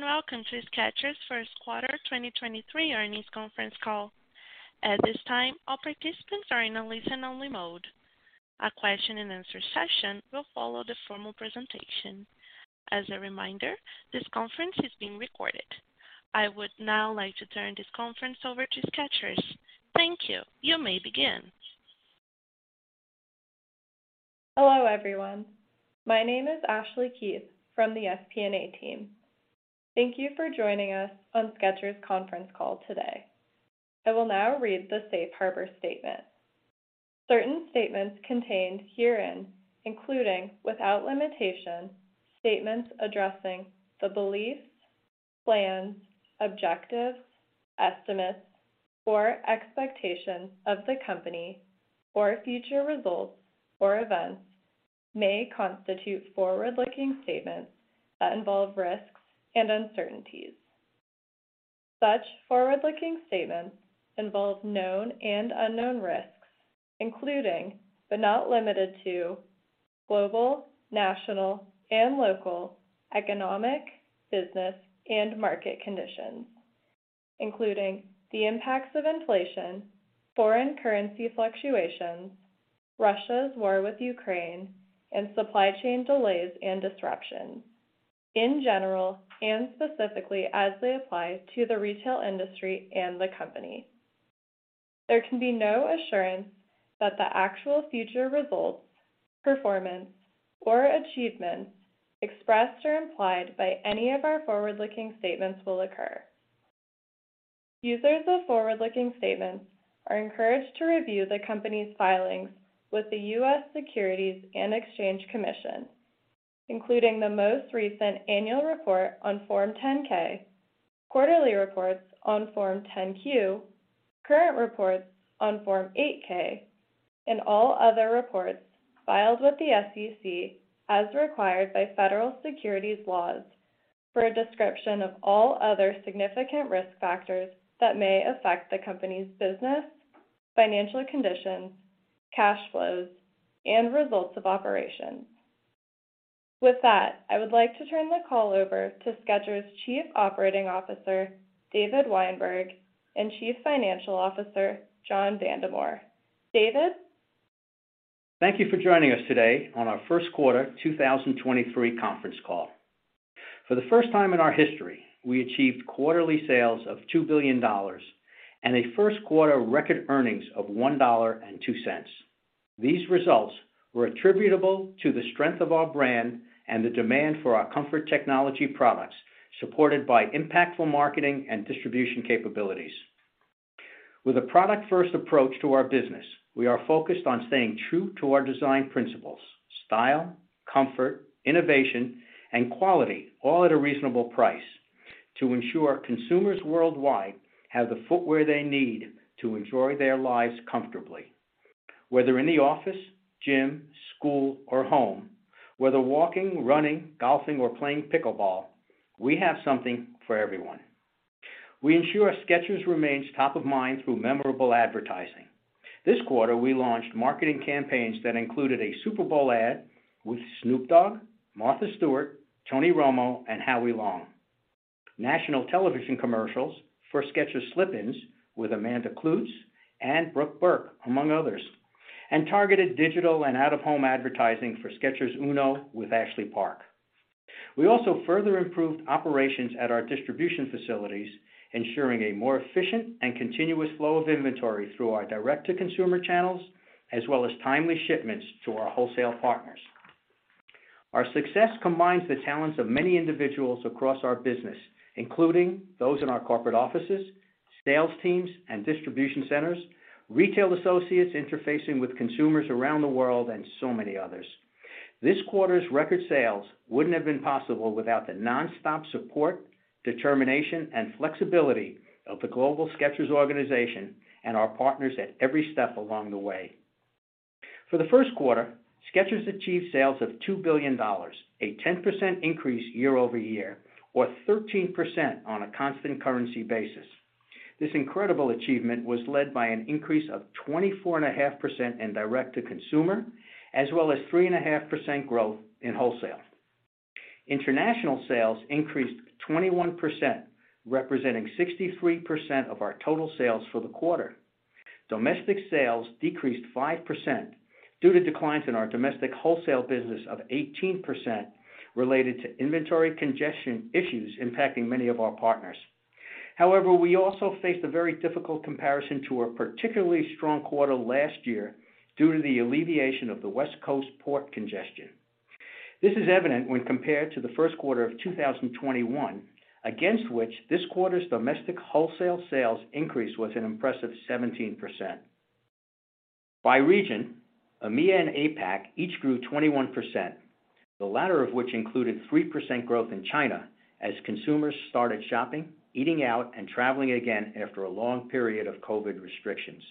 Greetings, Welcome to Skechers First Quarter 2023 Earnings Conference Call. At this time, all participants are in a listen only mode. A question and answer session will follow the formal presentation. As a reminder, this conference is being recorded. I would now like to turn this conference over to Skechers. Thank you. You may begin. Hello, everyone. My name is Ashley Keith from the FP&A team. Thank you for joining us on Skechers conference call today. I will now read the safe harbor statement. Certain statements contained herein, including without limitation, statements addressing the beliefs, plans, objectives, estimates, or expectations of the company or future results or events, may constitute forward-looking statements that involve risks and uncertainties. Such forward-looking statements involve known and unknown risks, including, but not limited to global, national, and local economic, business, and market conditions, including the impacts of inflation, foreign currency fluctuations, Russia's war with Ukraine, and supply chain delays and disruptions, in general and specifically as they apply to the retail industry and the company. There can be no assurance that the actual future results, performance, or achievements expressed or implied by any of our forward-looking statements will occur. Users of forward-looking statements are encouraged to review the company's filings with the U.S. Securities and Exchange Commission, including the most recent annual report on Form 10-K, quarterly reports on Form 10-Q, current reports on Form 8-K, and all other reports filed with the SEC as required by federal securities laws for a description of all other significant risk factors that may affect the company's business, financial conditions, cash flows, and results of operations. With that, I would like to turn the call over to Skechers' Chief Operating Officer, David Weinberg, and Chief Financial Officer, John Vandemore. David? Thank you for joining us today on our 1st quarter 2023 conference call. For the 1st time in our history, we achieved quarterly sales of $2 billion and a 1st quarter record earnings of $1.02. These results were attributable to the strength of our brand and the demand for our comfort technology products, supported by impactful marketing and distribution capabilities. With a product-1st approach to our business, we are focused on staying true to our design principles, style, comfort, innovation, and quality, all at a reasonable price to ensure consumers worldwide have the footwear they need to enjoy their lives comfortably. Whether in the office, gym, school, or home, whether walking, running, golfing, or playing pickleball, we have something for everyone. We ensure Skechers remains top of mind through memorable advertising. This quarter, we launched marketing campaigns that included a Super Bowl ad with Snoop Dogg, Martha Stewart, Tony Romo, and Howie Long, national television commercials for Skechers Slip-ins with Amanda Kloots and Brooke Burke, among others, and targeted digital and out-of-home advertising for Skechers UNO with Ashley Park. We also further improved operations at our distribution facilities, ensuring a more efficient and continuous flow of inventory through our direct-to-consumer channels, as well as timely shipments to our wholesale partners. Our success combines the talents of many individuals across our business, including those in our corporate offices, sales teams and distribution centers, retail associates interfacing with consumers around the world, and so many others. This quarter's record sales wouldn't have been possible without the nonstop support, determination, and flexibility of the global Skechers organization and our partners at every step along the way. For the 1st quarter, Skechers achieved sales of $2 billion, a 10% increase year-over-year, or 13% on a constant currency basis. This incredible achievement was led by an increase of 24.5% in direct-to-consumer, as well as 3.5% growth in wholesale. International sales increased 21%, representing 63% of our total sales for the quarter. Domestic sales decreased 5% due to declines in our domestic wholesale business of 18% related to inventory congestion issues impacting many of our partners. However, we also faced a very difficult comparison to a particularly strong quarter last year due to the alleviation of the West Coast port congestion. This is evident when compared to the 1st quarter of 2021, against which this quarter's domestic wholesale sales increase was an impressive 17%. By region, EMEA and APAC each grew 21%, the latter of which included 3% growth in China as consumers started shopping, eating out, and traveling again after a long period of COVID restrictions.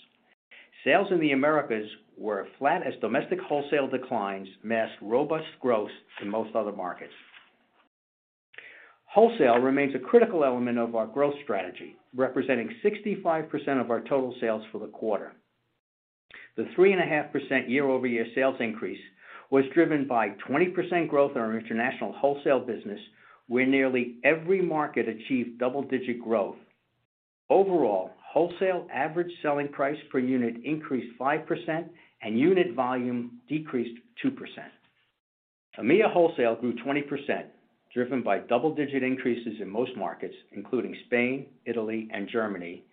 Sales in the Americas were flat as domestic wholesale declines masked robust growth in most other markets. Wholesale remains a critical element of our growth strategy, representing 65% of our total sales for the quarter. The 3.5% year-over-year sales increase was driven by 20% growth in our international wholesale business, where nearly every market achieved double-digit growth. Overall, wholesale average selling price per unit increased 5% and unit volume decreased 2%. EMEA wholesale grew 20%, driven by double-digit increases in most markets, including Spain, Italy, and Germany.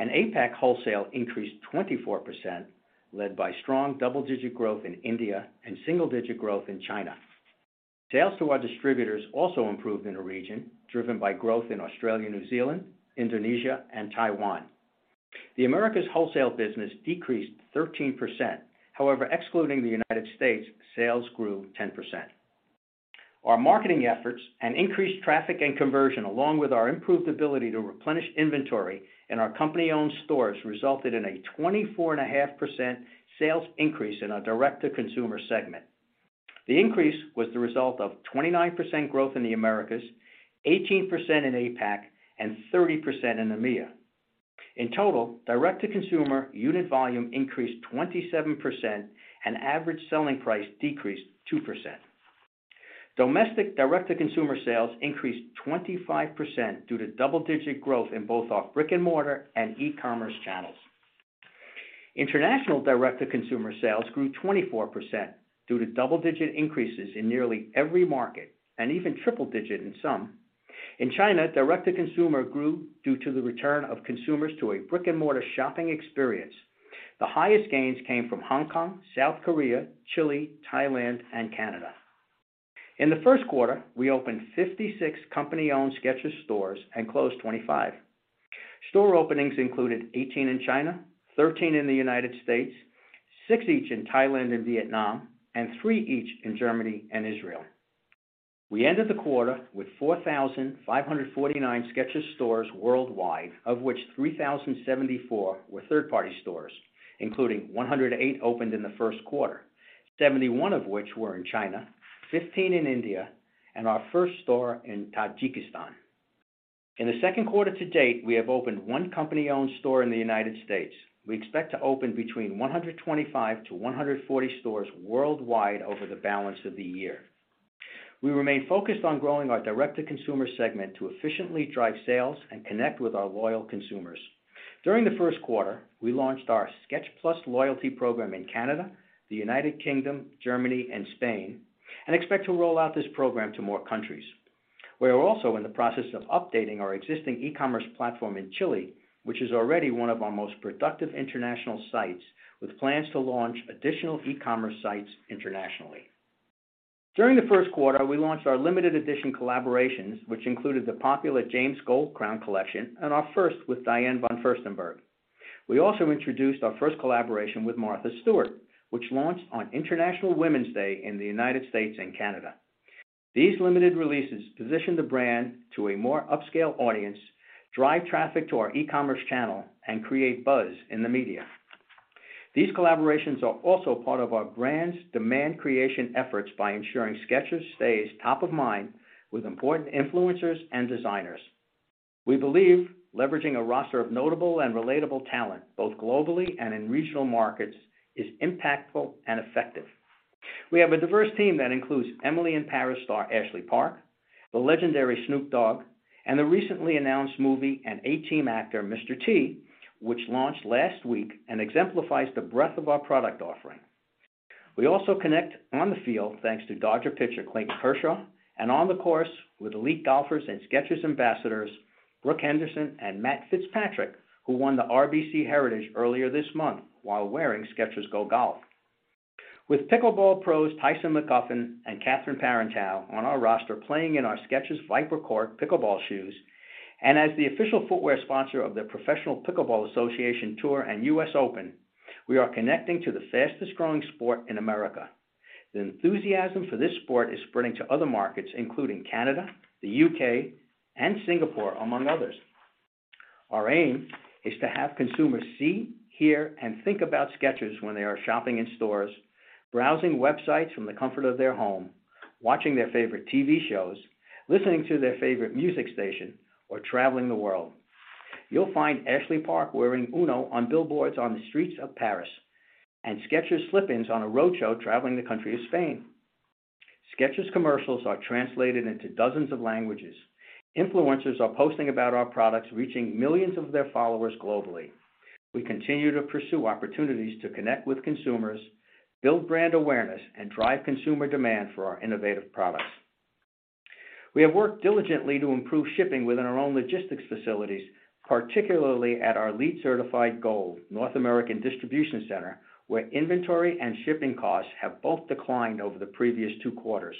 APAC wholesale increased 24% led by strong double-digit growth in India and single-digit growth in China. Sales to our distributors also improved in the region, driven by growth in Australia, New Zealand, Indonesia, and Taiwan. The Americas wholesale business decreased 13%. Excluding the United States, sales grew 10%. Our marketing efforts and increased traffic and conversion, along with our improved ability to replenish inventory in our company-owned stores, resulted in a 24.5% sales increase in our direct-to-consumer segment. The increase was the result of 29% growth in the Americas, 18% in APAC, and 30% in EMEA. In total, direct-to-consumer unit volume increased 27%, and average selling price decreased 2%. Domestic direct-to-consumer sales increased 25% due to double-digit growth in both our brick-and-mortar and e-commerce channels. International direct-to-consumer sales grew 24% due to double-digit increases in nearly every market, and even triple digit in some. In China, direct-to-consumer grew due to the return of consumers to a brick-and-mortar shopping experience. The highest gains came from Hong Kong, South Korea, Chile, Thailand, and Canada. In the 1st quarter, we opened 56 company-owned Skechers stores and closed 25. Store openings included 18 in China, 13 in the United States, 6 each in Thailand and Vietnam, and 3 each in Germany and Israel. We ended the quarter with 4,549 Skechers stores worldwide, of which 3,074 were 3rd-party stores, including 108 opened in the 1st quarter, 71 of which were in China, 15 in India, and our 1st store in Tajikistan. In the 2nd quarter to date, we have opened 1 company-owned store in the United States. We expect to open between 125-140 stores worldwide over the balance of the year. We remain focused on growing our direct-to-consumer segment to efficiently drive sales and connect with our loyal consumers. During the 1st quarter, we launched our Skechers Plus loyalty program in Canada, the United Kingdom, Germany, and Spain, and expect to roll out this program to more countries. We are also in the process of updating our existing e-commerce platform in Chile, which is already one of our most productive international sites, with plans to launch additional e-commerce sites internationally. During the 1st quarter, we launched our limited edition collaborations, which included the popular James Goldcrown Collection and our 1st with Diane von Furstenberg. We also introduced our 1st collaboration with Martha Stewart, which launched on International Women's Day in the United States and Canada. These limited releases position the brand to a more upscale audience, drive traffic to our e-commerce channel, and create buzz in the media. These collaborations are also part of our brand's demand creation efforts by ensuring Skechers stays top of mind with important influencers and designers. We believe leveraging a roster of notable and relatable talent, both globally and in regional markets, is impactful and effective. We have a diverse team that includes Emily in Paris star, Ashley Park, the legendary Snoop Dogg, and the recently announced movie and The A-Team actor, Mr. T, which launched last week and exemplifies the breadth of our product offering. We also connect on the field, thanks to Dodger pitcher, Clayton Kershaw, and on the course with elite golfers and Skechers ambassadors Brooke Henderson and Matt Fitzpatrick, who won the RBC Heritage earlier this month while wearing Skechers GO GOLF. With pickleball pros Tyson McGuffin and Catherine Parenteau on our roster, playing in our Skechers Viper Court pickleball shoes, and as the official footwear sponsor of the Professional Pickleball Association Tour and US Open, we are connecting to the fastest growing sport in America. The enthusiasm for this sport is spreading to other markets, including Canada, the U.K., and Singapore, among others. Our aim is to have consumers see, hear, and think about Skechers when they are shopping in stores, browsing websites from the comfort of their home, watching their favorite TV shows, listening to their favorite music station, or traveling the world. You'll find Ashley Park wearing UNO on billboards on the streets of Paris and Skechers Slip-ins on a roadshow traveling the country of Spain. Skechers commercials are translated into dozens of languages. Influencers are posting about our products, reaching millions of their followers globally. We continue to pursue opportunities to connect with consumers, build brand awareness, and drive consumer demand for our innovative products. We have worked diligently to improve shipping within our own logistics facilities, particularly at our LEED certified Gold North American distribution center, where inventory and shipping costs have both declined over the previous two quarters.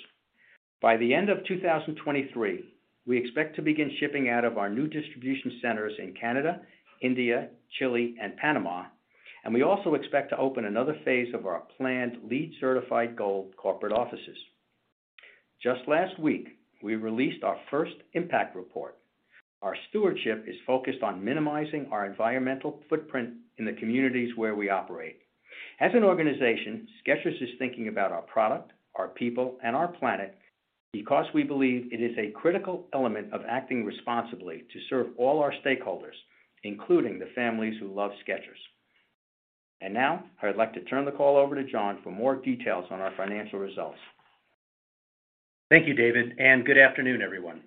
By the end of 2023, we expect to begin shipping out of our new distribution centers in Canada, India, Chile, and Panama, and we also expect to open another phase of our planned LEED certified Gold corporate offices. Just last week, we released our 1st impact report. Our stewardship is focused on minimizing our environmental footprint in the communities where we operate. As an organization, Skechers is thinking about our product, our people, and our planet. Because we believe it is a critical element of acting responsibly to serve all our stakeholders, including the families who love Skechers. Now, I'd like to turn the call over to John for more details on our financial results. Thank you, David. Good afternoon, everyone.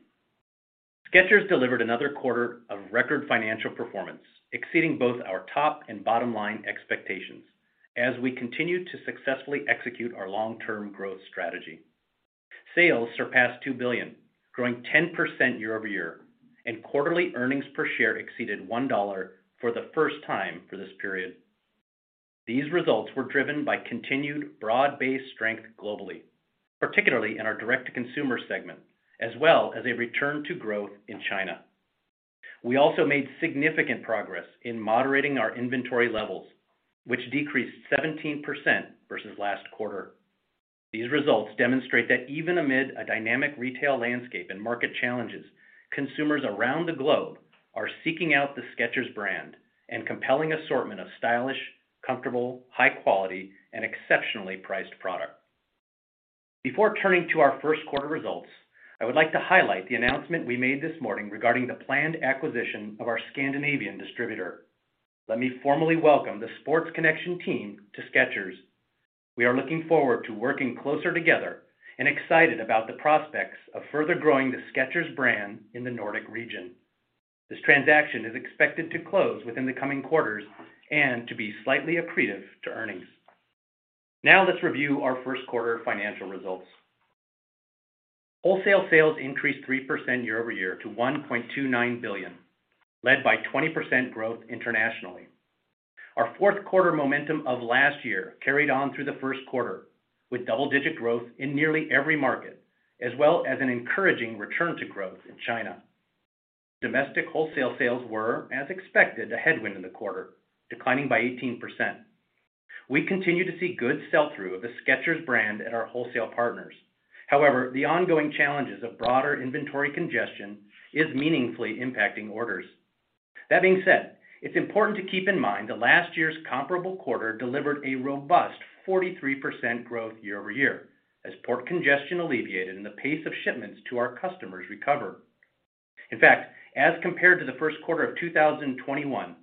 Skechers delivered another quarter of record financial performance, exceeding both our top and bottom-line expectations as we continue to successfully execute our long-term growth strategy. Sales surpassed $2 billion, growing 10% year-over-year, and quarterly earnings per share exceeded $1 for the 1st time for this period. These results were driven by continued broad-based strength globally, particularly in our direct-to-consumer segment, as well as a return to growth in China. We also made significant progress in moderating our inventory levels, which decreased 17% versus last quarter. These results demonstrate that even amid a dynamic retail landscape and market challenges, consumers around the globe are seeking out the Skechers brand and compelling assortment of stylish, comfortable, high quality, and exceptionally priced product. Before turning to our 1st quarter results, I would like to highlight the announcement we made this morning regarding the planned acquisition of our Scandinavian distributor. Let me formally welcome the Sports Connection team to Skechers. We are looking forward to working closer together and excited about the prospects of further growing the Skechers brand in the Nordic region. This transaction is expected to close within the coming quarters and to be slightly accretive to earnings. Let's review our 1st quarter financial results. Wholesale sales increased 3% year-over-year to $1.29 billion, led by 20% growth internationally. Our 4th quarter momentum of last year carried on through the 1st quarter, with double-digit growth in nearly every market, as well as an encouraging return to growth in China. Domestic wholesale sales were, as expected, a headwind in the quarter, declining by 18%. We continue to see good sell-through of the Skechers brand at our wholesale partners. However, the ongoing challenges of broader inventory congestion is meaningfully impacting orders. That being said, it's important to keep in mind that last year's comparable quarter delivered a robust 43% growth year-over-year as port congestion alleviated and the pace of shipments to our customers recovered. In fact, as compared to the 1st quarter of 2021,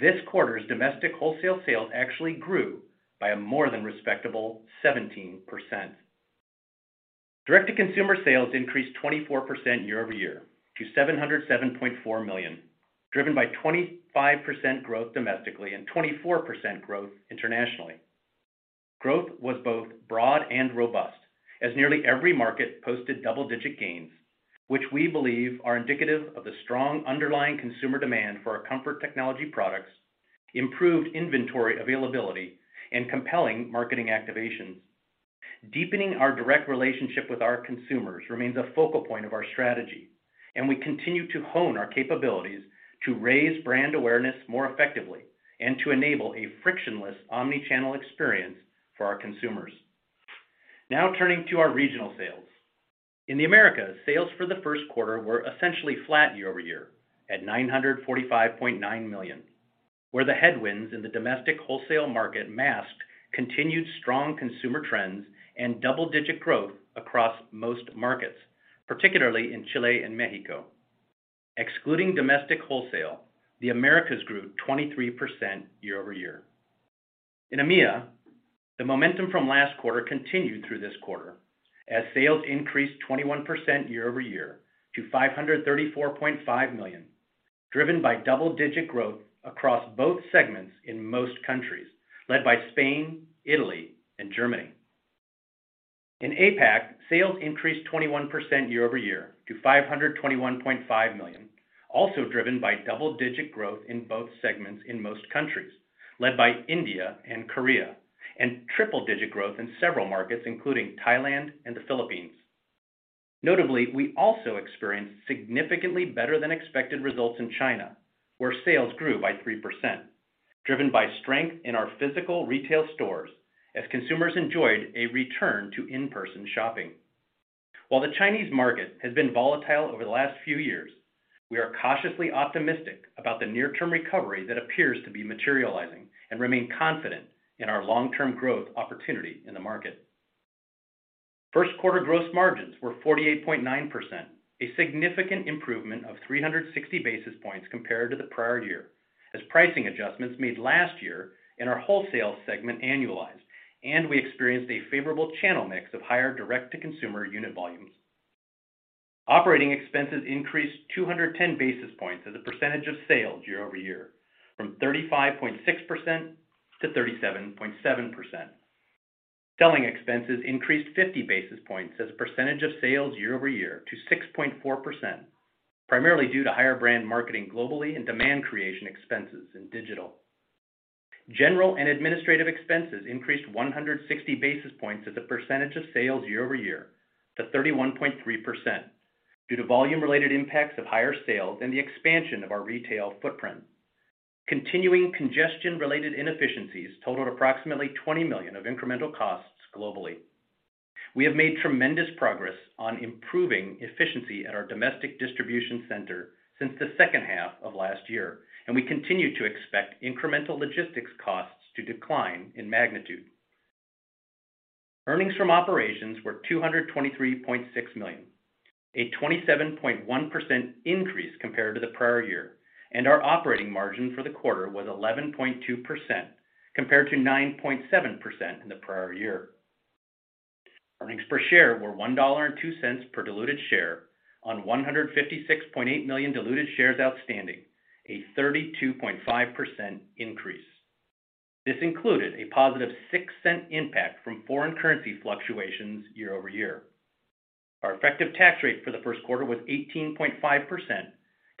this quarter's domestic wholesale sales actually grew by a more than respectable 17%. Direct-to-consumer sales increased 24% year-over-year to $707.4 million, driven by 25% growth domestically and 24% growth internationally. Growth was both broad and robust as nearly every market posted double-digit gains, which we believe are indicative of the strong underlying consumer demand for our comfort technology products, improved inventory availability, and compelling marketing activations. Deepening our direct relationship with our consumers remains a focal point of our strategy, and we continue to hone our capabilities to raise brand awareness more effectively and to enable a frictionless omni-channel experience for our consumers. Now turning to our regional sales. In the Americas, sales for the 1st quarter were essentially flat year-over-year at $945.9 million, where the headwinds in the domestic wholesale market masked continued strong consumer trends and double-digit growth across most markets, particularly in Chile and Mexico. Excluding domestic wholesale, the Americas grew 23% year-over-year. In EMEA, the momentum from last quarter continued through this quarter as sales increased 21% year-over-year to $534.5 million, driven by double-digit growth across both segments in most countries, led by Spain, Italy, and Germany. In APAC, sales increased 21% year-over-year to $521.5 million, also driven by double-digit growth in both segments in most countries, led by India and Korea, and triple-digit growth in several markets, including Thailand and the Philippines. We also experienced significantly better than expected results in China, where sales grew by 3%, driven by strength in our physical retail stores as consumers enjoyed a return to in-person shopping. While the Chinese market has been volatile over the last few years, we are cautiously optimistic about the near-term recovery that appears to be materializing and remain confident in our long-term growth opportunity in the market. First quarter gross margins were 48.9%, a significant improvement of 360 basis points compared to the prior year, as pricing adjustments made last year in our wholesale segment annualized, and we experienced a favorable channel mix of higher direct-to-consumer unit volumes. Operating expenses increased 210 basis points as a percentage of sales year-over-year from 35.6%-37.7%. Selling expenses increased 50 basis points as a percentage of sales year-over-year to 6.4%, primarily due to higher brand marketing globally and demand creation expenses in digital. General and administrative expenses increased 160 basis points as a percentage of sales year-over-year to 31.3% due to volume-related impacts of higher sales and the expansion of our retail footprint. Continuing congestion-related inefficiencies totaled approximately $20 million of incremental costs globally. We have made tremendous progress on improving efficiency at our domestic distribution center since the 2nd half of last year, and we continue to expect incremental logistics costs to decline in magnitude. Earnings from operations were $223.6 million, a 27.1% increase compared to the prior year, and our operating margin for the quarter was 11.2%, compared to 9.7% in the prior year. Earnings per share were $1.02 per diluted share on $156.8 million diluted shares outstanding, a 32.5% increase. This included a positive $0.06 impact from foreign currency fluctuations year-over-year. Our effective tax rate for the 1st quarter was 18.5%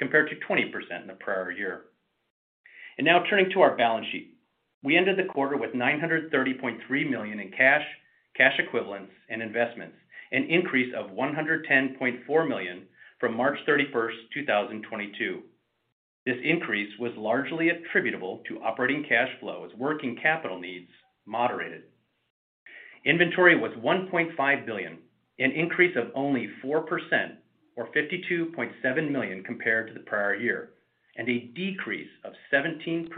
compared to 20% in the prior year. Now turning to our balance sheet. We ended the quarter with $930.3 million in cash equivalents, and investments, an increase of $110.4 million from March 31st, 2022. This increase was largely attributable to operating cash flows, working capital needs moderated. Inventory was $1.5 billion, an increase of only 4% or $52.7 million compared to the prior year, a decrease of 17%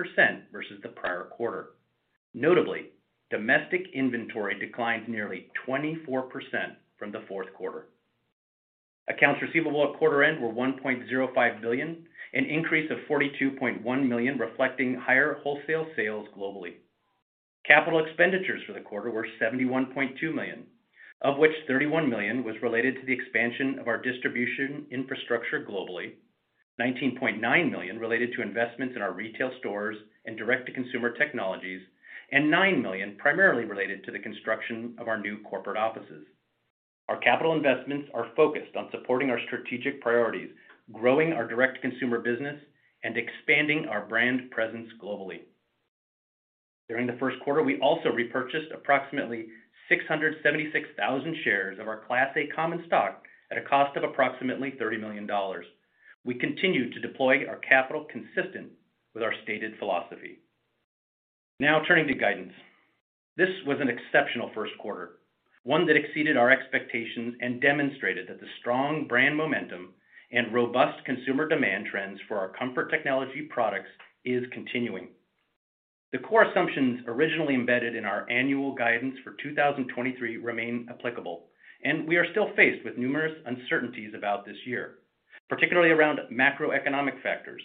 versus the prior quarter. Notably, domestic inventory declined nearly 24% from the 4th quarter. Accounts receivable at quarter end were $1.05 billion, an increase of $42.1 million, reflecting higher wholesale sales globally. Capital expenditures for the quarter were $71.2 million, of which $31 million was related to the expansion of our distribution infrastructure globally. $19.9 million related to investments in our retail stores and direct-to-consumer technologies and $9 million primarily related to the construction of our new corporate offices. Our capital investments are focused on supporting our strategic priorities, growing our direct consumer business, and expanding our brand presence globally. During the 1st quarter, we also repurchased approximately 676,000 shares of our Class A common stock at a cost of approximately $30 million. We continue to deploy our capital consistent with our stated philosophy. Now turning to guidance. This was an exceptional 1st quarter, one that exceeded our expectations and demonstrated that the strong brand momentum and robust consumer demand trends for our comfort technology products is continuing. The core assumptions originally embedded in our annual guidance for 2023 remain applicable, and we are still faced with numerous uncertainties about this year, particularly around macroeconomic factors,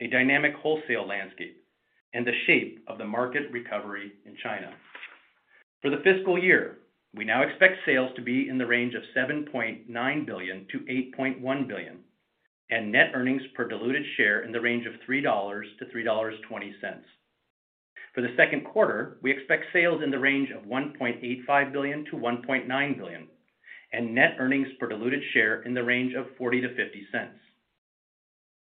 a dynamic wholesale landscape, and the shape of the market recovery in China. For the fiscal year, we now expect sales to be in the range of $7.9 billion-$8.1 billion. Net earnings per diluted share in the range of $3.00-$3.20. For the 2nd quarter, we expect sales in the range of $1.85 billion-$1.9 billion and net earnings per diluted share in the range of $0.40-$0.50.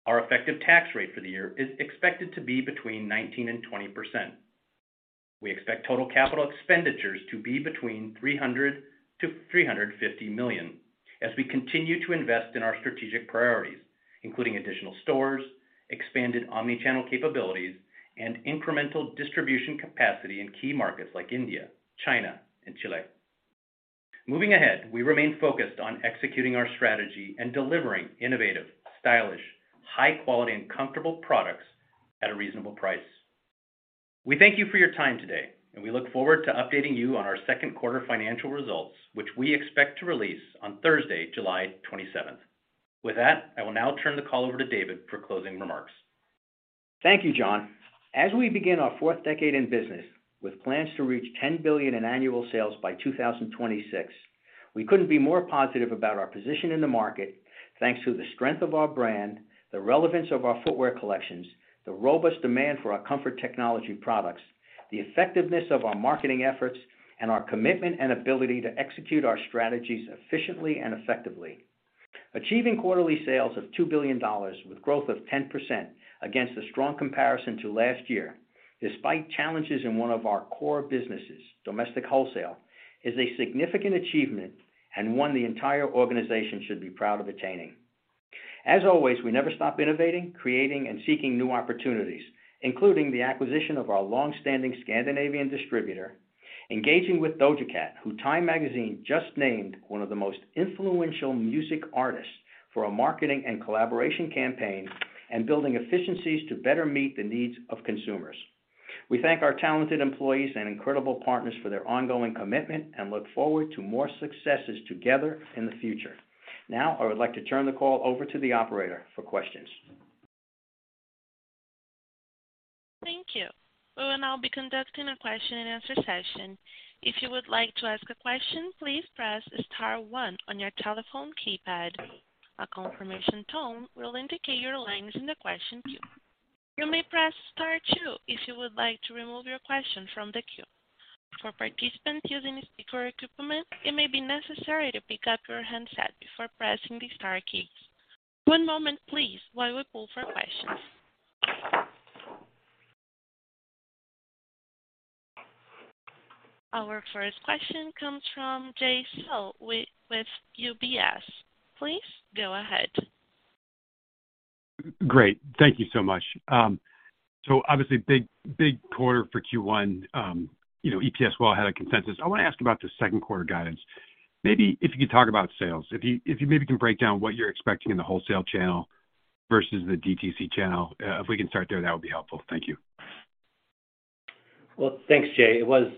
Our effective tax rate for the year is expected to be between 19% and 20%. We expect total CapEx to be between $300 million-$350 million as we continue to invest in our strategic priorities, including additional stores, expanded omni-channel capabilities, and incremental distribution capacity in key markets like India, China, and Chile. Moving ahead, we remain focused on executing our strategy and delivering innovative, stylish, high quality and comfortable products at a reasonable price. We thank you for your time today, and we look forward to updating you on our 2nd quarter financial results, which we expect to release on Thursday, July 27th. With that, I will now turn the call over to David for closing remarks. Thank you, John. As we begin our 4th decade in business with plans to reach $10 billion in annual sales by 2026, we couldn't be more positive about our position in the market thanks to the strength of our brand, the relevance of our footwear collections, the robust demand for our comfort technology products, the effectiveness of our marketing efforts, and our commitment and ability to execute our strategies efficiently and effectively. Achieving quarterly sales of $2 billion with growth of 10% against a strong comparison to last year, despite challenges in one of our core businesses, domestic wholesale, is a significant achievement and one the entire organization should be proud of attaining. As always, we never stop innovating, creating, and seeking new opportunities, including the acquisition of our long-standing Scandinavian distributor, engaging with Doja Cat, who TIME Magazine just named one of the most influential music artists for a marketing and collaboration campaign, and building efficiencies to better meet the needs of consumers. We thank our talented employees and incredible partners for their ongoing commitment and look forward to more successes together in the future. Now I would like to turn the call over to the operator for questions. Thank you. We will now be conducting a question and answer session. If you would like to ask a question, please press star one on your telephone keypad. A confirmation tone will indicate your line is in the question queue. You may press star two if you would like to remove your question from the queue. For participants using speaker equipment, it may be necessary to pick up your handset before pressing the star keys. One moment please while we pull for questions. Our 1st question comes from Jay Sole with UBS. Please go ahead. Great. Thank you so much. Obviously big quarter for Q1, you know EPS well ahead of consensus. I want to ask about the 2nd quarter guidance. Maybe if you could talk about sales, if you maybe can break down what you're expecting in the wholesale channel versus the DTC channel. If we can start there, that would be helpful. Thank you. Thanks, Jay. It was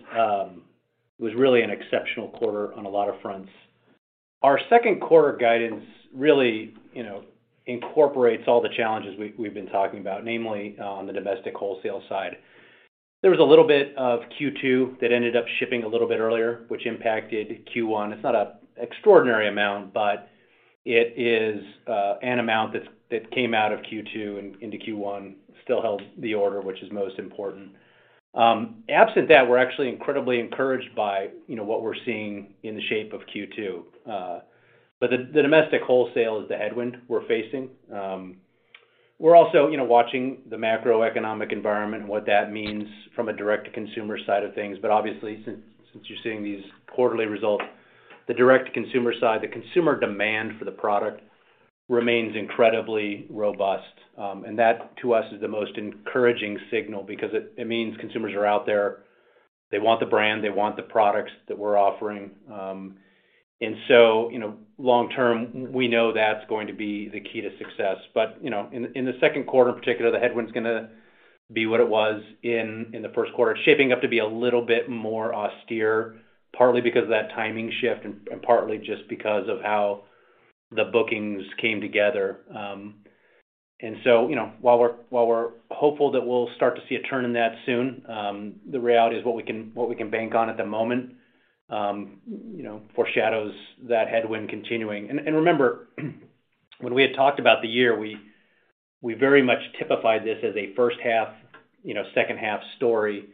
really an exceptional quarter on a lot of fronts. Our 2nd quarter guidance really, you know, incorporates all the challenges we've been talking about, namely on the domestic wholesale side. There was a little bit of Q2 that ended up shipping a little bit earlier, which impacted Q1. It's not an extraordinary amount, but it is an amount that came out of Q2 and into Q1, still held the order, which is most important. Absent that, we're actually incredibly encouraged by, you know, what we're seeing in the shape of Q2. The domestic wholesale is the headwind we're facing. We're also, you know, watching the macroeconomic environment and what that means from a direct-to-consumer side of things. Obviously since you're seeing these quarterly results, the direct-to-consumer side, the consumer demand for the product remains incredibly robust. That to us is the most encouraging signal because it means consumers are out there. They want the brand, they want the products that we're offering. You know, long term we know that's going to be the key to success. You know, in the 2nd quarter in particular, the headwind's gonna be what it was in the 1st quarter. Shaping up to be a little bit more austere, partly because of that timing shift and partly just because of how the bookings came together. You know, while we're hopeful that we'll start to see a turn in that soon, the reality is what we can, what we can bank on at the moment, you know, foreshadows that headwind continuing. Remember, when we had talked about the year, we very much typified this as a 1st half, you know, 2nd half story.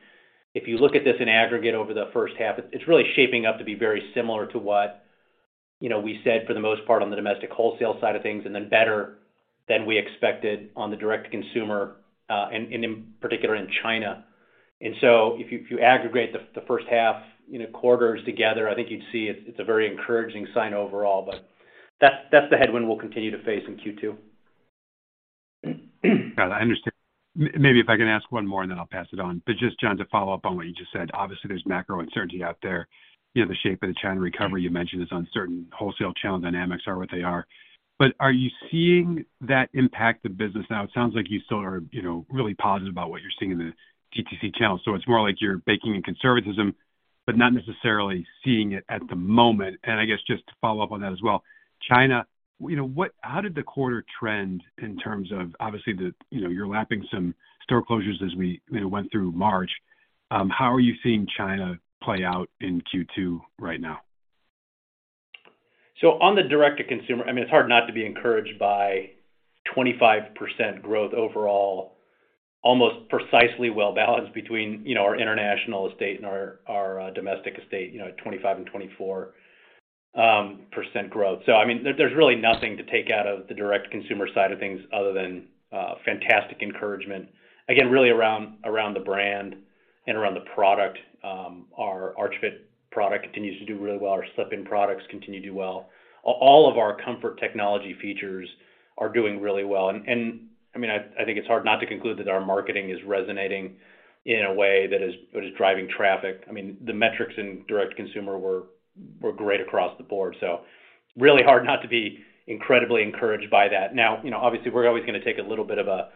If you look at this in aggregate over the 1st half, it's really shaping up to be very similar to what, you know, we said for the most part on the domestic wholesale side of things, and then better than we expected on the direct consumer, and in particular in China. If you aggregate the 1st half, you know, quarters together, I think you'd see it's a very encouraging sign overall. That's the headwind we'll continue to face in Q2. Got it. I understand. Maybe if I can ask one more, and then I'll pass it on. Just, John, to follow up on what you just said, obviously there's macro uncertainty out there. You know, the shape of the China recovery you mentioned is uncertain. Wholesale channel dynamics are what they are. Are you seeing that impact the business now? It sounds like you still are, you know, really positive about what you're seeing in the DTC channel, so it's more like you're baking in conservatism but not necessarily seeing it at the moment. I guess just to follow up on that as well, China, you know, how did the quarter trend in terms of obviously the, you know, you're lapping some store closures as we, you know, went through March. How are you seeing China play out in Q2 right now? On the direct-to-consumer, I mean, it's hard not to be encouraged by 25% growth overall, almost precisely well-balanced between, you know, our international estate and our domestic estate, you know, 25% and 24% growth. I mean, there's really nothing to take out of the direct consumer side of things other than fantastic encouragement, again, really around the brand and around the product. Our Arch Fit product continues to do really well. Our Slip-ins products continue to do well. All of our comfort technology features are doing really well. I mean, I think it's hard not to conclude that our marketing is resonating in a way that is driving traffic. I mean, the metrics in direct consumer were great across the board, really hard not to be incredibly encouraged by that. you know, obviously we're always gonna take a little bit of a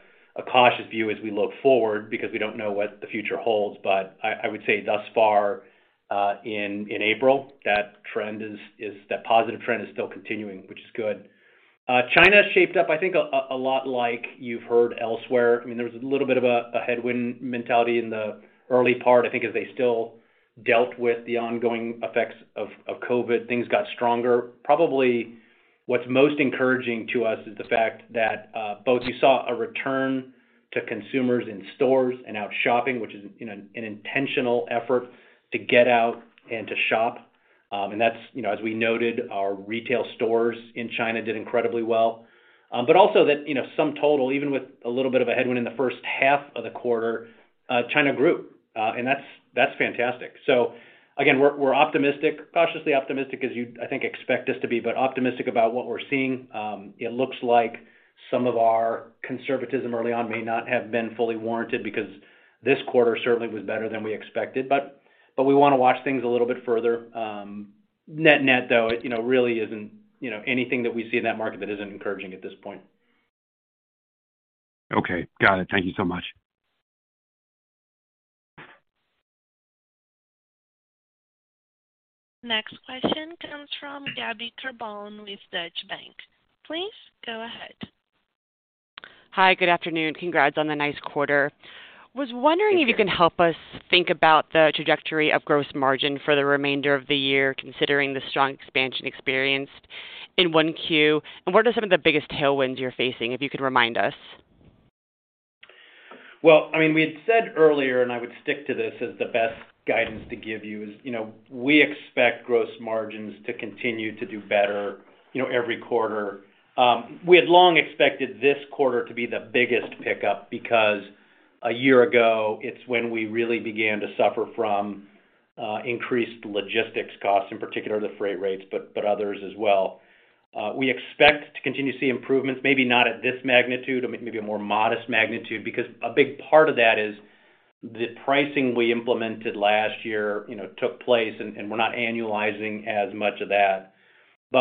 cautious view as we look forward because we don't know what the future holds. I would say thus far in April, that positive trend is still continuing, which is good. China shaped up, I think, a lot like you've heard elsewhere. I mean, there was a little bit of a headwind mentality in the early part, I think, as they still dealt with the ongoing effects of COVID. Things got stronger. Probably what's most encouraging to us is the fact that both you saw a return to consumers in stores and out shopping, which is an intentional effort to get out and to shop. That's, you know, as we noted, our retail stores in China did incredibly well. Also that, you know, sum total, even with a little bit of a headwind in the 1st half of the quarter, China grew, and that's fantastic. Again, we're optimistic, cautiously optimistic as you, I think, expect us to be, but optimistic about what we're seeing. It looks like some of our conservatism early on may not have been fully warranted because this quarter certainly was better than we expected. But we wanna watch things a little bit further. Net-net though, it, you know, really isn't, you know, anything that we see in that market that isn't encouraging at this point. Okay. Got it. Thank you so much. Next question comes from Gabriella Carbone with Deutsche Bank. Please go ahead. Hi. Good afternoon. Congrats on the nice quarter. Was wondering if you can help us think about the trajectory of gross margin for the remainder of the year, considering the strong expansion experienced in 1Q? What are some of the biggest tailwinds you're facing, if you could remind us? I mean, we had said earlier, I would stick to this as the best guidance to give you, we expect gross margins to continue to do better, every quarter. We had long expected this quarter to be the biggest pickup because a year ago, it's when we really began to suffer from increased logistics costs, in particular the freight rates, but others as well. We expect to continue to see improvements, maybe not at this magnitude or maybe a more modest magnitude, because a big part of that is the pricing we implemented last year, took place and we're not annualizing as much of that.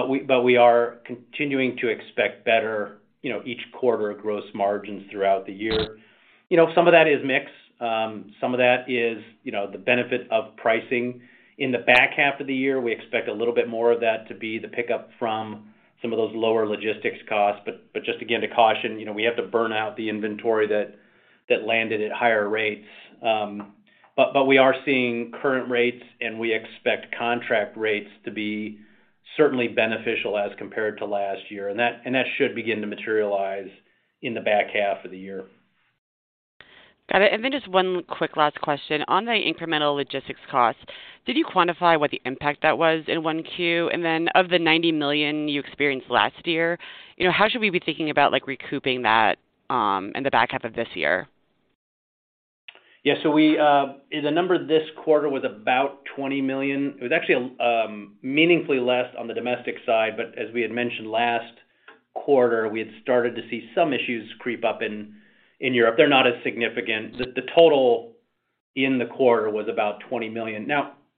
We are continuing to expect better, you know, each quarter of gross margins throughout the year. You know, some of that is mix, some of that is, you know, the benefit of pricing. In the back half of the year, we expect a little bit more of that to be the pickup from some of those lower logistics costs. Just, again, to caution, you know, we have to burn out the inventory that landed at higher rates. We are seeing current rates, and we expect contract rates to be certainly beneficial as compared to last year. That should begin to materialize in the back half of the year. Got it. Just one quick last question. On the incremental logistics cost, did you quantify what the impact that was in 1Q? Of the $90 million you experienced last year, you know, how should we be thinking about like recouping that in the back half of this year? Yeah. We The number this quarter was about $20 million. It was actually meaningfully less on the domestic side. As we had mentioned last quarter, we had started to see some issues creep up in Europe. They're not as significant. The total in the quarter was about $20 million.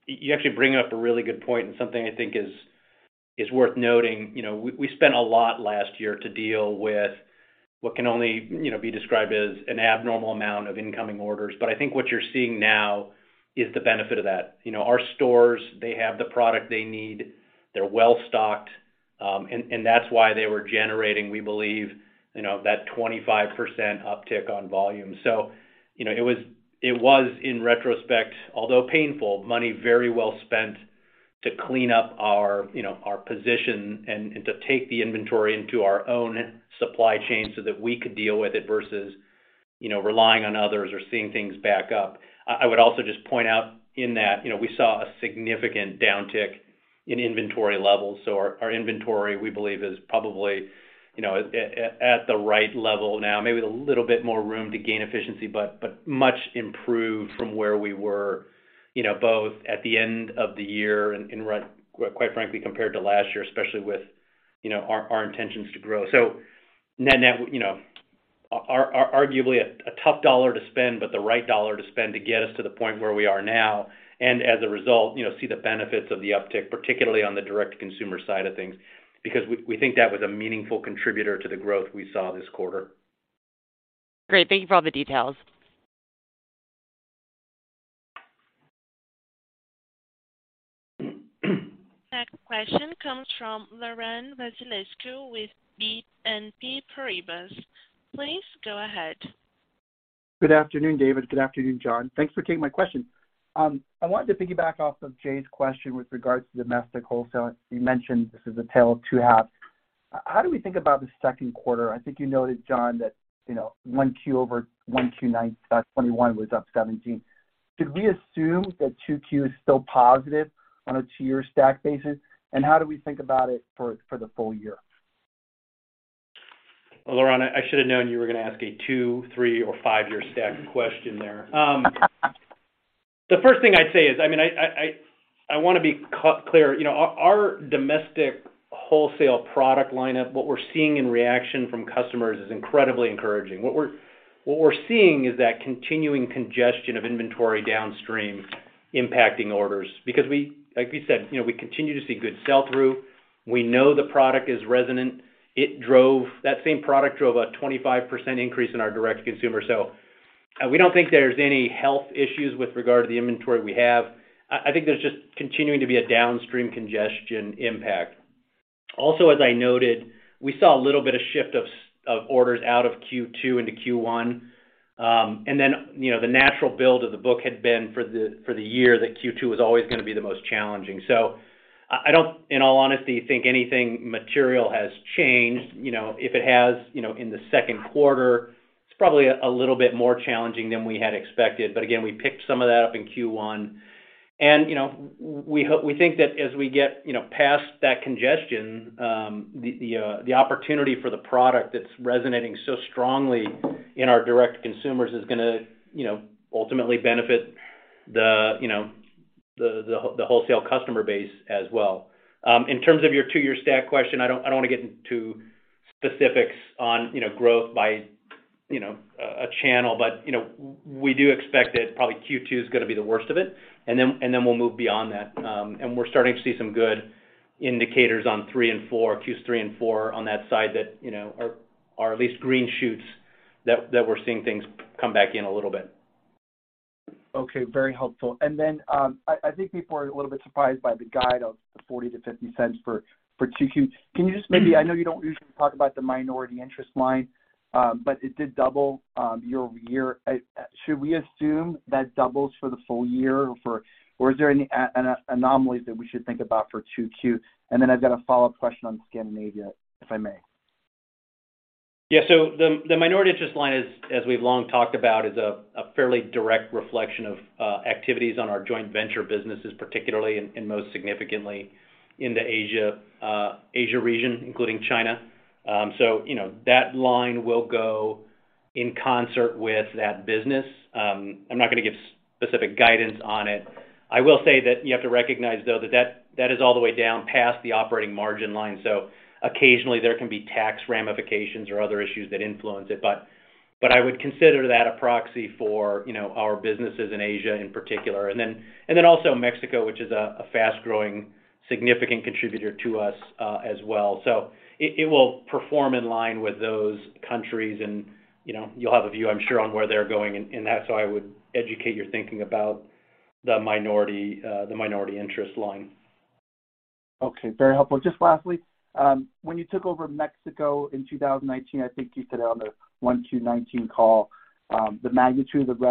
You actually bring up a really good point and something I think is worth noting. You know, we spent a lot last year to deal with what can only, you know, be described as an abnormal amount of incoming orders. I think what you're seeing now is the benefit of that. You know, our stores, they have the product they need, they're well-stocked, and that's why they were generating, we believe, you know, that 25% uptick on volume. You know, it was in retrospect, although painful, money very well spent to clean up our position and to take the inventory into our own supply chain so that we could deal with it versus, you know, relying on others or seeing things back up. I would also just point out in that, you know, we saw a significant downtick in inventory levels. Our inventory, we believe, is probably, you know, at the right level now. Maybe a little bit more room to gain efficiency, but much improved from where we were, you know, both at the end of the year and quite frankly, compared to last year, especially with, you know, our intentions to grow. Net net, you know, arguably a tough dollar to spend, but the right dollar to spend to get us to the point where we are now, and as a result, you know, see the benefits of the uptick, particularly on the direct consumer side of things. Because we think that was a meaningful contributor to the growth we saw this quarter. Great. Thank you for all the details. Next question comes from Laurent Vasilescu with BNP Paribas. Please go ahead. Good afternoon, David. Good afternoon, John. Thanks for taking my question. I wanted to piggyback off of Jay's question with regards to domestic wholesale. You mentioned this is a tale of two halves. How do we think about the 2nd quarter? I think you noted, John, that, you know, 1Q over 1Q 2021 was up 17%. Should we assume that 2Q is still positive on a two-year stack basis? How do we think about it for the full year? Laurent, I should've known you were gonna ask a 2, 3, or 5-year stack question there. The 1st thing I'd say is, I mean, I wanna be clear. You know, our domestic wholesale product lineup, what we're seeing in reaction from customers is incredibly encouraging. What we're seeing is that continuing congestion of inventory downstream impacting orders. Like we said, you know, we continue to see good sell-through. We know the product is resonant. That same product drove a 25% increase in our direct consumer. We don't think there's any health issues with regard to the inventory we have. I think there's just continuing to be a downstream congestion impact. Also, as I noted, we saw a little bit of shift of orders out of Q2 into Q1. Then, you know, the natural build of the book had been for the year that Q2 was always going to be the most challenging. I don't, in all honesty, think anything material has changed. You know, if it has, you know, in the 2nd quarter, it's probably a little bit more challenging than we had expected. Again, we picked some of that up in Q1. You know, we think that as we get, you know, past that congestion, the opportunity for the product that's resonating so strongly in our direct consumers is going to, you know, ultimately benefit the, you know, the wholesale customer base as well. In terms of your two-year stack question, I don't, I don't want to get into specifics on, you know, growth by, you know, a channel. You know, we do expect that probably Q2 is gonna be the worst of it, and then we'll move beyond that. We're starting to see some good indicators on three and four, Q3 and four on that side that, you know, are at least green shoots that we're seeing things come back in a little bit. Okay, very helpful. I think people are a little bit surprised by the guide of the $0.40-$0.50 for 2Q. Can you just I know you don't usually talk about the minority interest line, but it did double year-over-year. Should we assume that doubles for the full year or is there any anomalies that we should think about for 2Q? I've got a follow-up question on Scandinavia, if I may? The minority interest line is, as we've long talked about, is a fairly direct reflection of activities on our joint venture businesses, particularly and, most significantly in the Asia region, including China. You know, that line will go in concert with that business. I'm not gonna give specific guidance on it. I will say that you have to recognize though that is all the way down past the operating margin line. Occasionally there can be tax ramifications or other issues that influence it. But I would consider that a proxy for, you know, our businesses in Asia in particular. Then also Mexico, which is a fast-growing significant contributor to us, as well. It will perform in line with those countries and, you know, you'll have a view, I'm sure, on where they're going and that's how I would educate your thinking about the minority interest line. Okay. Very helpful. Just lastly, when you took over Mexico in 2019, I think you said on the 01/02/2019 call, the magnitude of the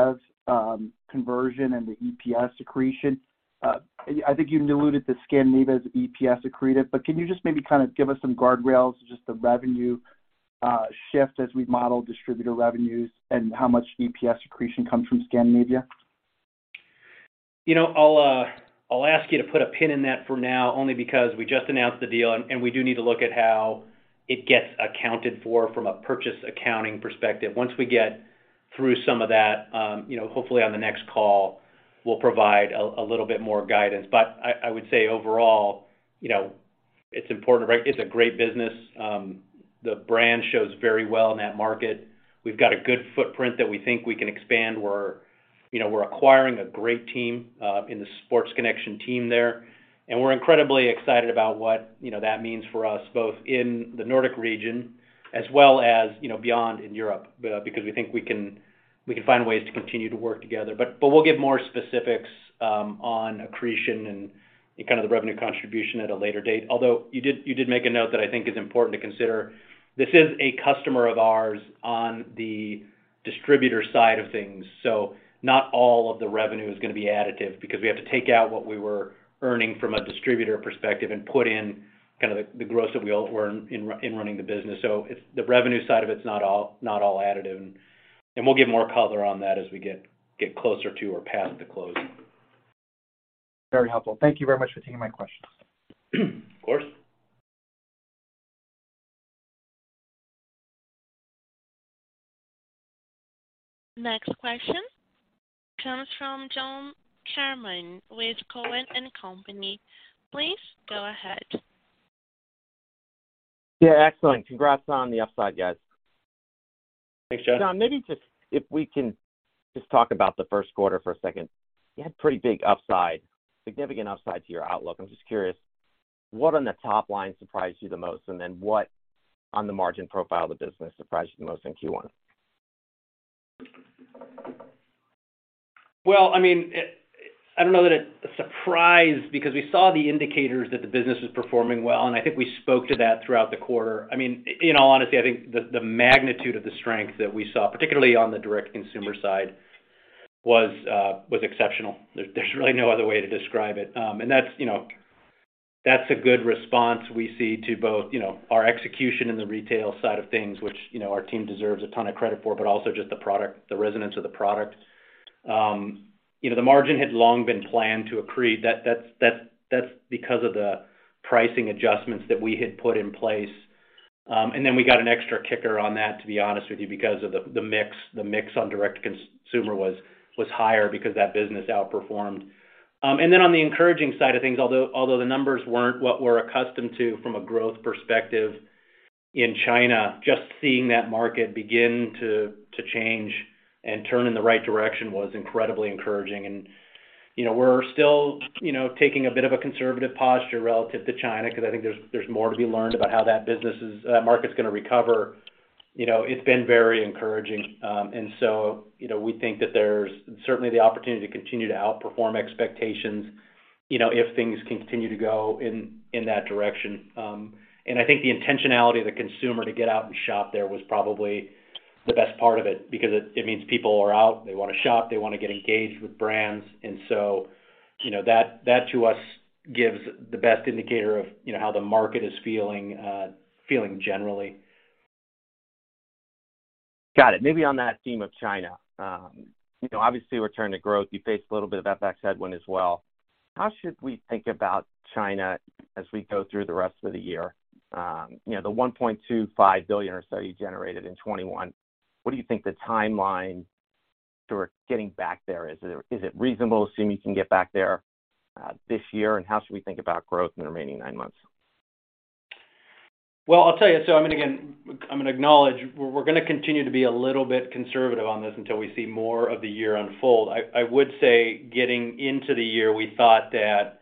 revs conversion and the EPS accretion. I think you alluded to Scandinavia's EPS accreted, but can you just maybe kind of give us some guardrails, just the revenue shift as we model distributor revenues and how much EPS accretion comes from Scandinavia? You know, I'll ask you to put a pin in that for now, only because we just announced the deal and we do need to look at how it gets accounted for from a purchase accounting perspective. Once we get through some of that, you know, hopefully on the next call, we'll provide a little bit more guidance. I would say overall, you know, it's important, right? It's a great business. The brand shows very well in that market. We've got a good footprint that we think we can expand. We're, you know, we're acquiring a great team in the Sports Connection team there, and we're incredibly excited about what, you know, that means for us both in the Nordic region as well as, you know, beyond in Europe because we think we can, we can find ways to continue to work together. We'll give more specifics on accretion and kind of the revenue contribution at a later date. Although you did make a note that I think is important to consider. This is a customer of ours on the distributor side of things. Not all of the revenue is gonna be additive because we have to take out what we were earning from a distributor perspective and put in kind of the gross that we all were in running the business. The revenue side of it is not all additive, and we'll give more color on that as we get closer to or past the close. Very helpful. Thank you very much for taking my questions. Of course. Next question comes from John Kernan with Cowen and Company. Please go ahead. Yeah, excellent. Congrats on the upside, guys. Thanks, John. John, maybe just if we can just talk about the 1st quarter for a 2nd. You had pretty big upside, significant upside to your outlook. I'm just curious, what on the top line surprised you the most, and then what on the margin profile of the business surprised you the most in Q1? Well, I mean, I don't know that it surprised because we saw the indicators that the business was performing well, and I think we spoke to that throughout the quarter. I mean, in all honesty, I think the magnitude of the strength that we saw, particularly on the direct-to-consumer side, was exceptional. There's really no other way to describe it. That's, you know, that's a good response we see to both, you know, our execution in the retail side of things, which, you know, our team deserves a ton of credit for, but also just the product, the resonance of the product. You know, the margin had long been planned to accrete. That's because of the pricing adjustments that we had put in place. We got an extra kicker on that, to be honest with you, because of the mix. The mix on direct-to-consumer was higher because that business outperformed. On the encouraging side of things, although the numbers weren't what we're accustomed to from a growth perspective in China, just seeing that market begin to change and turn in the right direction was incredibly encouraging. You know, we're still, you know, taking a bit of a conservative posture relative to China because I think there's more to be learned about how that market's gonna recover. You know, it's been very encouraging. You know, we think that there's certainly the opportunity to continue to outperform expectations, you know, if things continue to go in that direction. I think the intentionality of the consumer to get out and shop there was probably the best part of it because it means people are out, they wanna shop, they wanna get engaged with brands. You know, that to us gives the best indicator of, you know, how the market is feeling generally. Got it. Maybe on that theme of China. You know, obviously return to growth. You faced a little bit of FX headwind as well. How should we think about China as we go through the rest of the year? You know, the $1.25 billion or so you generated in 2021, what do you think the timeline toward getting back there is? Is it reasonable to assume you can get back there, this year? How should we think about growth in the remaining nine months? I'll tell you. Again, I'm gonna acknowledge we're gonna continue to be a little bit conservative on this until we see more of the year unfold. I would say getting into the year, we thought that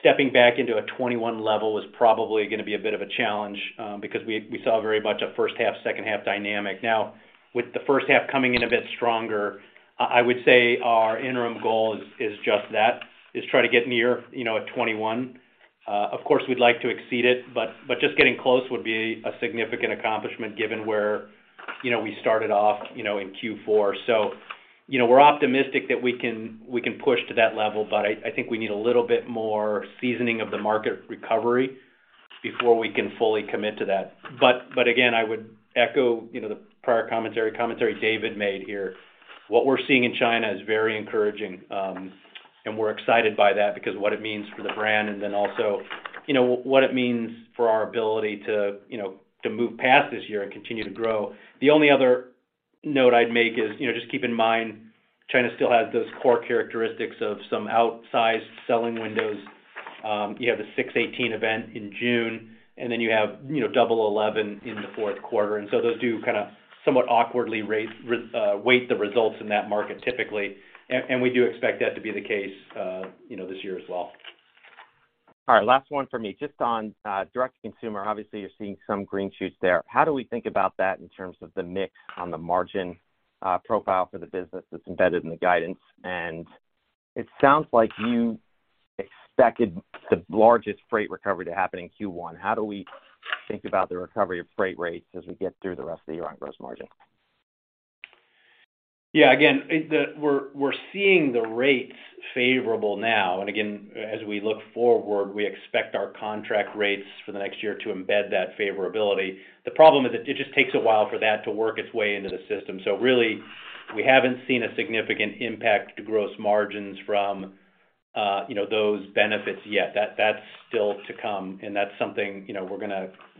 stepping back into a 21 level was probably gonna be a bit of a challenge, because we saw very much a 1st half, 2nd half dynamic. Now, with the 1st half coming in a bit stronger, I would say our interim goal is just that, is try to get near, you know, a 21. Of course we'd like to exceed it, but just getting close would be a significant accomplishment given where, you know, we started off, you know, in Q4. You know, we're optimistic that we can, we can push to that level, but I think we need a little bit more seasoning of the market recovery before we can fully commit to that. But again, I would echo, you know, the prior commentary David made here. What we're seeing in China is very encouraging. We're excited by that because what it means for the brand and then also, you know, what it means for our ability to, you know, to move past this year and continue to grow. The only other note I'd make is, you know, just keep in mind, China still has those core characteristics of some outsized selling windows. You have the 618 event in June, and then you have, you know, Double 11 in the 4th quarter those do kind of somewhat awkwardly weight the results in that market typically. We do expect that to be the case, you know, this year as well. All right. Last one for me. Just on direct-to-consumer. Obviously, you're seeing some green shoots there. How do we think about that in terms of the mix on the margin, profile for the business that's embedded in the guidance? It sounds like you expected the largest freight recovery to happen in Q1. How do we think about the recovery of freight rates as we get through the rest of the year on gross margin? Again, we're seeing the rates favorable now. Again, as we look forward, we expect our contract rates for the next year to embed that favorability. The problem is that it just takes a while for that to work its way into the system. Really, we haven't seen a significant impact to gross margins from, you know, those benefits yet. That's still to come, and that's something, you know,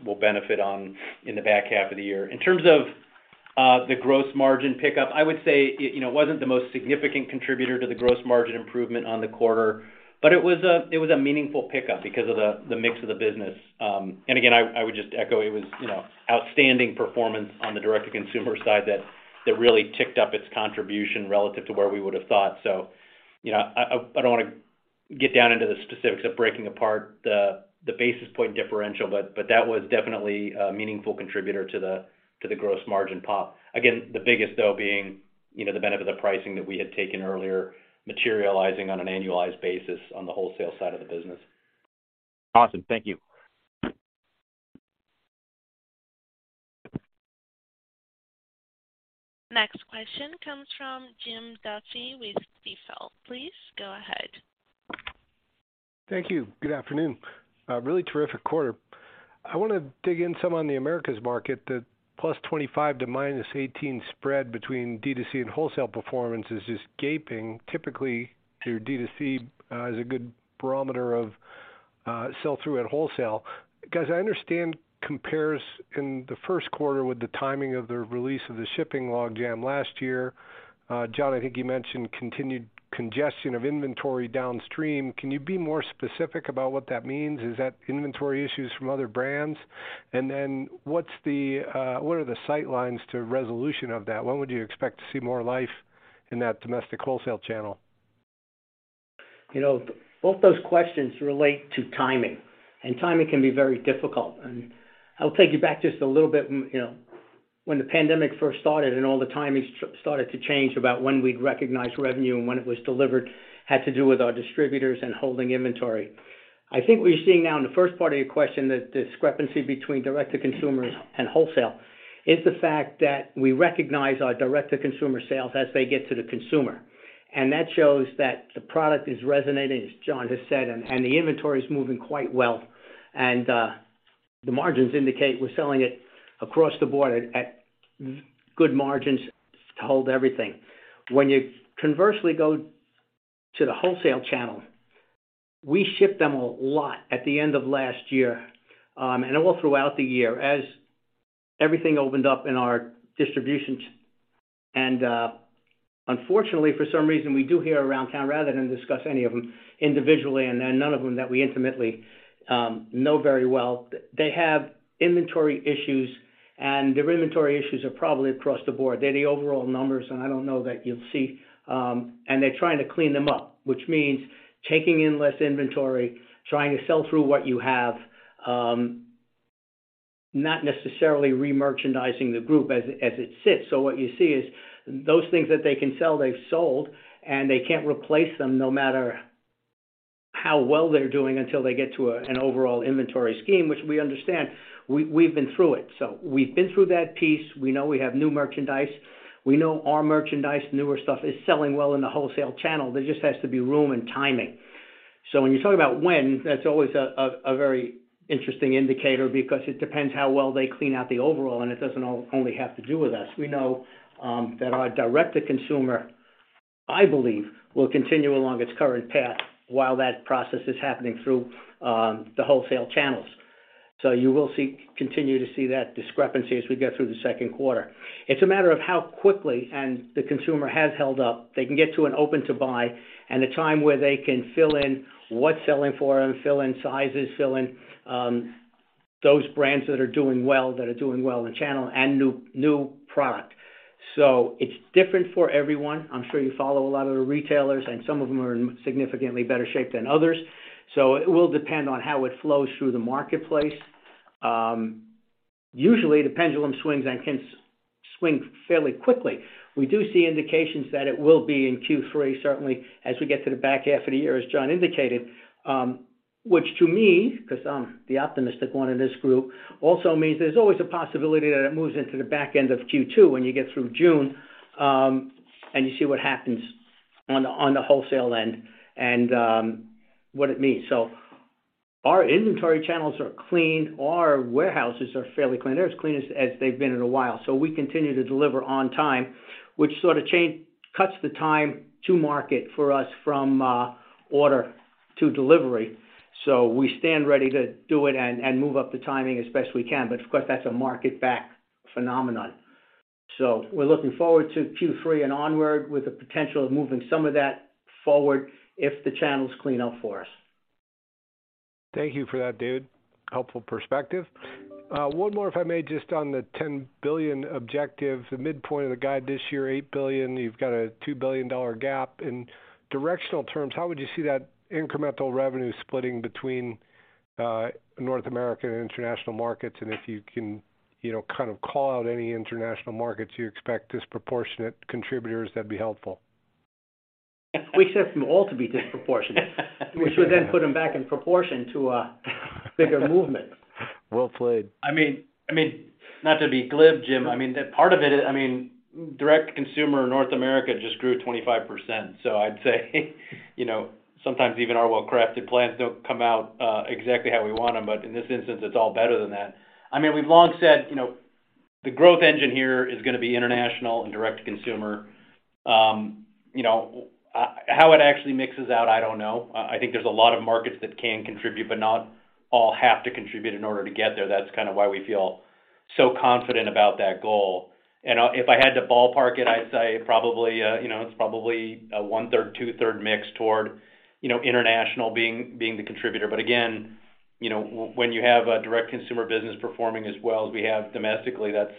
we'll benefit on in the back half of the year. In terms of the gross margin pickup, I would say, it, you know, wasn't the most significant contributor to the gross margin improvement on the quarter, but it was a meaningful pickup because of the mix of the business. Again, I would just echo, it was, you know, outstanding performance on the direct-to-consumer side that really ticked up its contribution relative to where we would have thought. You know, I don't wanna get down into the specifics of breaking apart the basis point differential, but that was definitely a meaningful contributor to the gross margin pop. Again, the biggest though being, you know, the benefit of the pricing that we had taken earlier, materializing on an annualized basis on the wholesale side of the business. Awesome. Thank you. Next question comes from Jim Duffy with B. Riley. Please go ahead. Thank you. Good afternoon. A really terrific quarter. I wanna dig in some on the Americas market. The +25% to -18% spread between D2C and wholesale performance is just gaping. Typically, your D2C is a good barometer of sell-through at wholesale. Guys, I understand compares in the 1st quarter with the timing of the release of the shipping log jam last year. John, I think you mentioned continued congestion of inventory downstream. Can you be more specific about what that means? Is that inventory issues from other brands? What are the sight lines to resolution of that? When would you expect to see more life in that domestic wholesale channel? You know, both those questions relate to timing, and timing can be very difficult. I'll take you back just a little bit. You know, when the pandemic 1st started and all the timings started to change about when we'd recognize revenue and when it was delivered, had to do with our distributors and holding inventory. I think what you're seeing now in the 1st part of your question, the discrepancy between direct to consumers and wholesale, is the fact that we recognize our direct to consumer sales as they get to the consumer. That shows that the product is resonating, as John has said, and the inventory is moving quite well. The margins indicate we're selling it across the board at good margins to hold everything. When you conversely go to the wholesale channel, we shipped them a lot at the end of last year, and all throughout the year as everything opened up in our distributions. Unfortunately, for some reason, we do hear around town rather than discuss any of them individually, and none of them that we intimately know very well. They have inventory issues, and their inventory issues are probably across the board. They're the overall numbers, and I don't know that you'll see, and they're trying to clean them up, which means taking in less inventory, trying to sell through what you have, not necessarily remerchandising the group as it sits. What you see is those things that they can sell, they've sold, and they can't replace them no matter how well they're doing until they get to an overall inventory scheme, which we understand. We've been through it. We've been through that piece. We know we have new merchandise. We know our merchandise, newer stuff is selling well in the wholesale channel. There just has to be room and timing. When you talk about when, that's always a very interesting indicator because it depends how well they clean out the overall, and it doesn't only have to do with us. We know that our direct-to-consumer, I believe, will continue along its current path while that process is happening through the wholesale channels. You will continue to see that discrepancy as we go through the 2nd quarter. It's a matter of how quickly. The consumer has held up. They can get to an open to buy and a time where they can fill in what's selling for them, fill in sizes, fill in those brands that are doing well, that are doing well in the channel and new product. It's different for everyone. I'm sure you follow a lot of the retailers and some of them are in significantly better shape than others. It will depend on how it flows through the marketplace. Usually the pendulum swings and can swing fairly quickly. We do see indications that it will be in Q3, certainly as we get to the back half of the year, as John indicated. Which to me, because I'm the optimistic one in this group, also means there's always a possibility that it moves into the back end of Q2 when you get through June, and you see what happens on the wholesale end and what it means. Our inventory channels are cleaned, our warehouses are fairly clean. They're as clean as they've been in a while. We continue to deliver on time, which sort of cuts the time to market for us from order to delivery. We stand ready to do it and move up the timing as best we can. Of course, that's a market-backed phenomenon. We're looking forward to Q3 and onward with the potential of moving some of that forward if the channels clean up for us. Thank you for that, Dave. Helpful perspective. One more, if I may, just on the $10 billion objective, the midpoint of the guide this year, $8 billion. You've got a $2 billion gap. In directional terms, how would you see that incremental revenue splitting between North America and international markets? If you can, you know, kind of call out any international markets you expect disproportionate contributors, that'd be helpful. We see them all to be disproportionate. We should then put them back in proportion to a bigger movement. Well played. I mean, not to be glib, Jim. I mean, the part of it, I mean, direct consumer in North America just grew 25%. I'd say, you know, sometimes even our well-crafted plans don't come out exactly how we want them. In this instance, it's all better than that. I mean, we've long said, you know, the growth engine here is gonna be international and direct consumer. You know, how it actually mixes out, I don't know. I think there's a lot of markets that can contribute, but not all have to contribute in order to get there. That's kind of why we feel so confident about that goal. If I had to ballpark it, I'd say probably, you know, it's probably a one-3rd, two-3rd mix toward, you know, international being the contributor. Again, you know, when you have a direct consumer business performing as well as we have domestically, that's,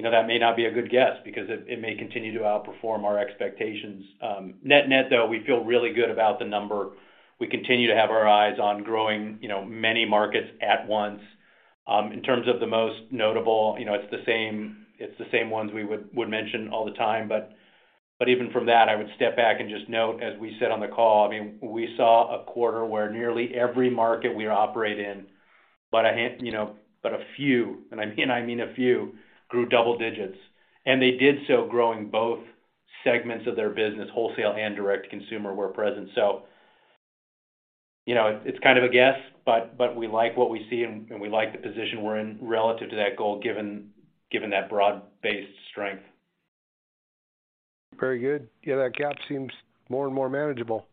you know, that may not be a good guess because it may continue to outperform our expectations. Net-net, though, we feel really good about the number. We continue to have our eyes on growing, you know, many markets at once. In terms of the most notable, you know, it's the same ones we would mention all the time. Even from that, I would step back and just note, as we said on the call, I mean, we saw a quarter where nearly every market we operate in, but a few, and I mean a few, grew double digits. They did so growing both segments of their business, wholesale and direct consumer were present.you know, it's kind of a guess, but we like what we see and we like the position we're in relative to that goal, given that broad-based strength. Very good. Yeah, that gap seems more and more manageable.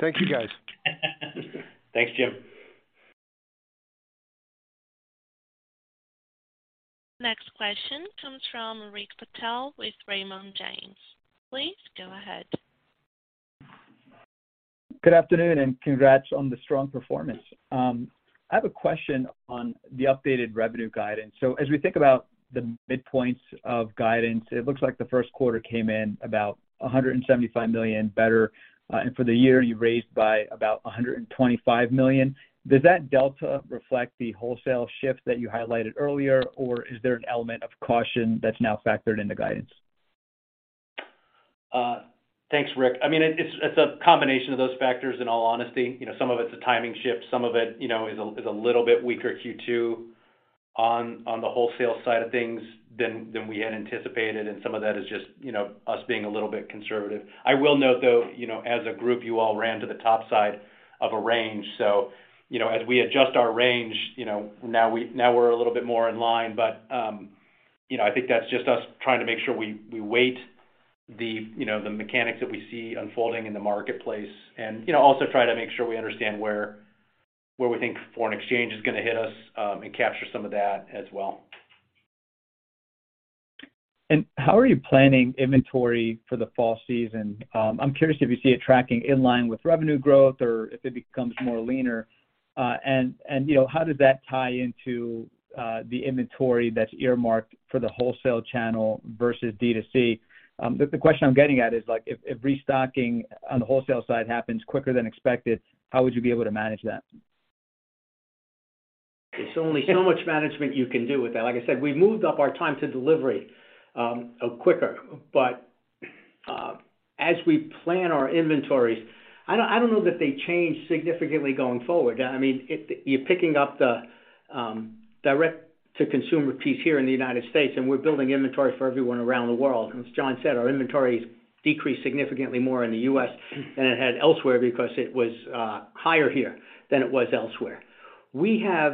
Thank you, guys. Thanks, Jim. Next question comes from Rick Patel with Raymond James. Please go ahead. Good afternoon. Congrats on the strong performance. I have a question on the updated revenue guidance. As we think about the midpoints of guidance, it looks like the 1st quarter came in about $175 million better. And for the year, you raised by about $125 million. Does that delta reflect the wholesale shift that you highlighted earlier, or is there an element of caution that's now factored into guidance? Thanks, Rick. I mean, it's a combination of those factors, in all honesty. You know, some of it's a timing shift, some of it, you know, is a little bit weaker Q2 on the wholesale side of things than we had anticipated, some of that is just, you know, us being a little bit conservative. I will note, though, you know, as a group, you all ran to the top side of a range. You know, as we adjust our range, you know, now we're a little bit more in line. You know, I think that's just us trying to make sure we weight the, you know, the mechanics that we see unfolding in the marketplace you know, also try to make sure we understand where we think foreign exchange is gonna hit us, and capture some of that as well. How are you planning inventory for the fall season? I'm curious if you see it tracking in line with revenue growth or if it becomes more leaner. You know, how does that tie into the inventory that's earmarked for the wholesale channel versus D2C? The question I'm getting at is like if restocking on the wholesale side happens quicker than expected, how would you be able to manage that? There's only so much management you can do with that. Like I said, we've moved up our time to delivery, quicker. As we plan our inventories, I don't know that they change significantly going forward. I mean, you're picking up the direct-to-consumer piece here in the United States, and we're building inventory for everyone around the world. As John said, our inventories decreased significantly more in the U.S. than it had elsewhere because it was higher here than it was elsewhere. We have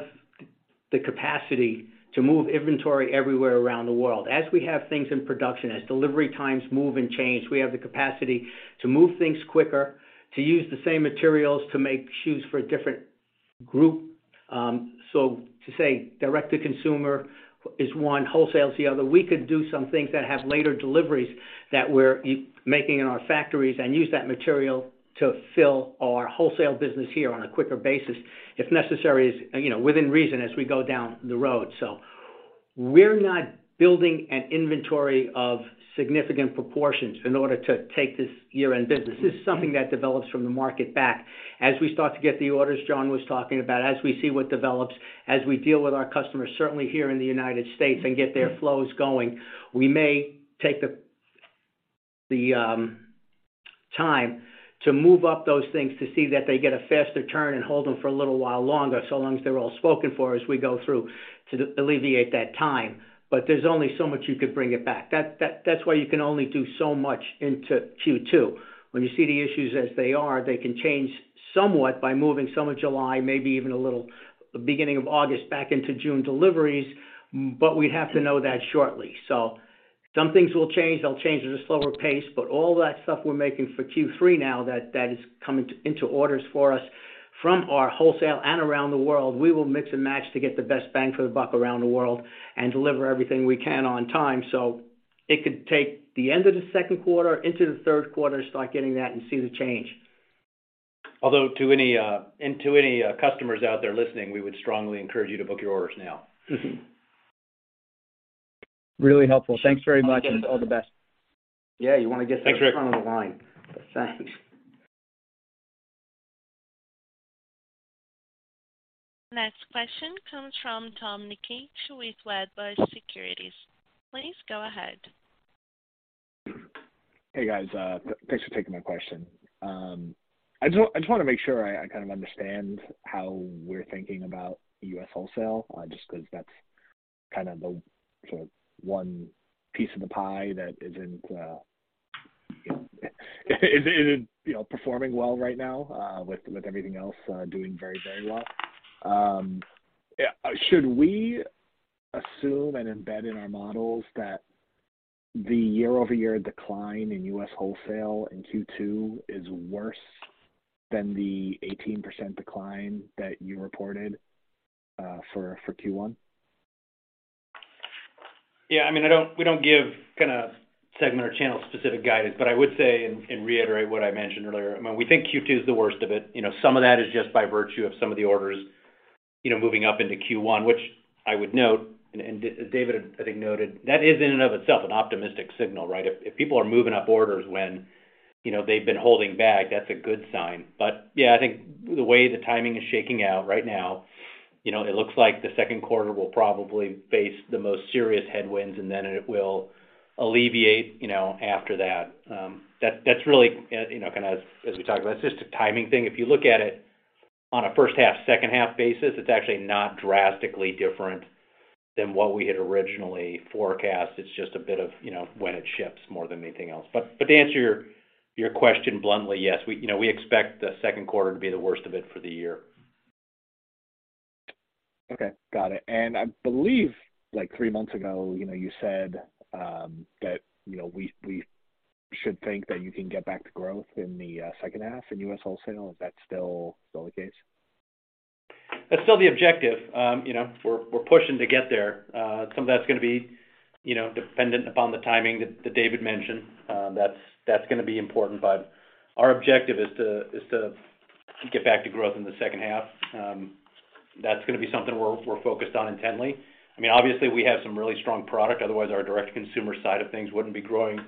the capacity to move inventory everywhere around the world. As we have things in production, as delivery times move and change, we have the capacity to move things quicker, to use the same materials to make shoes for a different group. To say direct-to-consumer is one, wholesale is the other, we could do some things that have later deliveries that we're making in our factories and use that material to fill our wholesale business here on a quicker basis, if necessary, as, you know, within reason as we go down the road. We're not building an inventory of significant proportions in order to take this year-end business. This is something that develops from the market back. As we start to get the orders John was talking about, as we see what develops, as we deal with our customers, certainly here in the United States, and get their flows going, we may take the time to move up those things to see that they get a faster turn and hold them for a little while longer, so long as they're all spoken for as we go through to alleviate that time. There's only so much you could bring it back. That's why you can only do so much into Q2. When you see the issues as they are, they can change somewhat by moving some of July, maybe even a little beginning of August back into June deliveries, but we'd have to know that shortly. Some things will change. They'll change at a slower pace. All that stuff we're making for Q3 now that is coming into orders for us from our wholesale and around the world, we will mix and match to get the best bang for the buck around the world and deliver everything we can on time. It could take the end of the 2nd quarter into the 3rd quarter to start getting that and see the change. Although to any customers out there listening, we would strongly encourage you to book your orders now. Mm-hmm. Really helpful. Thanks very much and all the best. Yeah. You want to get to the front of the line. Thanks, Rick. That's fact. Next question comes from Tom Nikic with Wedbush Securities. Please go ahead. Hey, guys. Thanks for taking my question. I just want to make sure I kind of understand how we're thinking about U.S. wholesale, just 'cause that's kind of the sort of one piece of the pie that isn't, you know, performing well right now, with everything else doing very, very well. Should we assume and embed in our models that the year-over-year decline in U.S. wholesale in Q2 is worse than the 18% decline that you reported for Q1? I mean, we don't give kind of segment or channel specific guidance, I would say and reiterate what I mentioned earlier. I mean, we think Q2 is the worst of it. You know, some of that is just by virtue of some of the orders, you know, moving up into Q1, which I would note, and as David, I think, noted, that is in and of itself an optimistic signal, right? If people are moving up orders when, you know, they've been holding back, that's a good sign. I think the way the timing is shaking out right now, you know, it looks like the 2nd quarter will probably face the most serious headwinds, and then it will alleviate, you know, after that. That's really, you know, kind of as we talked about, it's just a timing thing. If you look at it on a 1st half, 2nd half basis, it's actually not drastically different than what we had originally forecast. It's just a bit of, you know, when it ships more than anything else. To answer your question bluntly, yes. We, you know, we expect the 2nd quarter to be the worst of it for the year. Okay. Got it. I believe like three months ago, you know, you said, that, you know, we should think that you can get back to growth in the, 2nd half in U.S. wholesale. Is that still the case? That's still the objective. You know, we're pushing to get there. Some of that's gonna be, you know, dependent upon the timing that David mentioned. That's gonna be important. Our objective is to get back to growth in the 2nd half. That's gonna be something we're focused on intently. I mean, obviously we have some really strong product, otherwise our direct consumer side of things wouldn't be growing,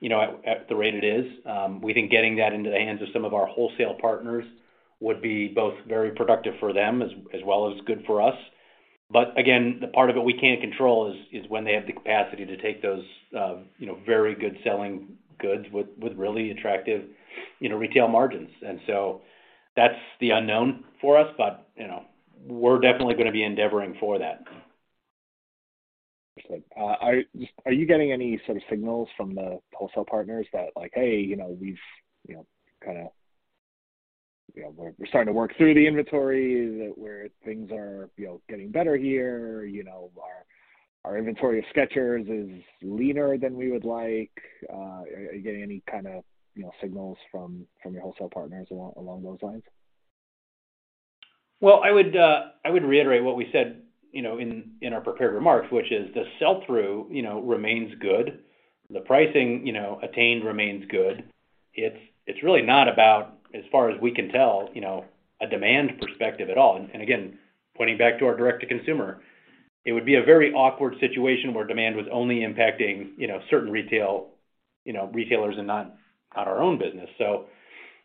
you know, at the rate it is. We think getting that into the hands of some of our wholesale partners would be both very productive for them as well as good for us. Again, the part of it we can't control is when they have the capacity to take those, you know, very good selling goods with really attractive, you know, retail margins. That's the unknown for us. You know, we're definitely gonna be endeavoring for that. Are you getting any sort of signals from the wholesale partners that like, "Hey, you know, we've, you know, kind of, you know, we're starting to work through the inventory," that where things are, you know, getting better here, you know, our inventory of Skechers is leaner than we would like? Are you getting any kind of, you know, signals from your wholesale partners along those lines? Well, I would reiterate what we said, you know, in our prepared remarks, which is the sell-through, you know, remains good. The pricing, you know, attained remains good. It's really not about, as far as we can tell, you know, a demand perspective at all. Again, pointing back to our direct to consumer, it would be a very awkward situation where demand was only impacting, you know, certain retail, you know, retailers and not our own business.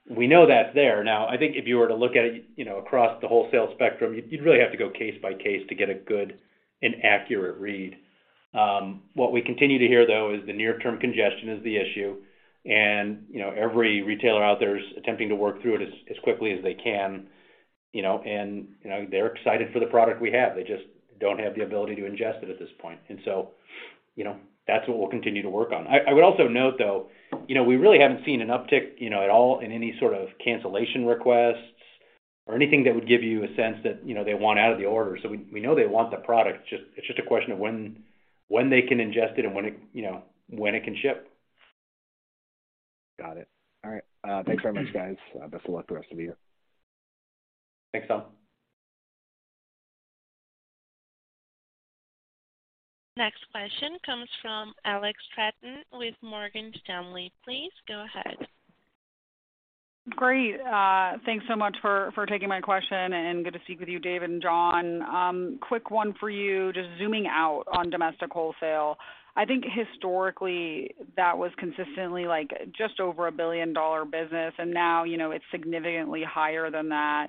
We know that's there. I think if you were to look at it, you know, across the wholesale spectrum, you'd really have to go case by case to get a good and accurate read. What we continue to hear, though, is the near term congestion is the issue. you know, every retailer out there is attempting to work through it as quickly as they can, you know. you know, they're excited for the product we have. They just don't have the ability to ingest it at this point. you know, that's what we'll continue to work on. I would also note, though, you know, we really haven't seen an uptick, you know, at all in any sort of cancellation requests or anything that would give you a sense that, you know, they want out of the order. we know they want the product. It's just a question of when they can ingest it and when it, you know, when it can ship. Got it. All right. Thanks very much, guys. Best of luck the rest of the year. Thanks, Tom. Next question comes from Alex Straton with Morgan Stanley. Please go ahead. Great. Thanks so much for taking my question, good to speak with you, David and John. Quick one for you, just zooming out on domestic wholesale. I think historically that was consistently like just over a billion-dollar business, and now, you know, it's significantly higher than that.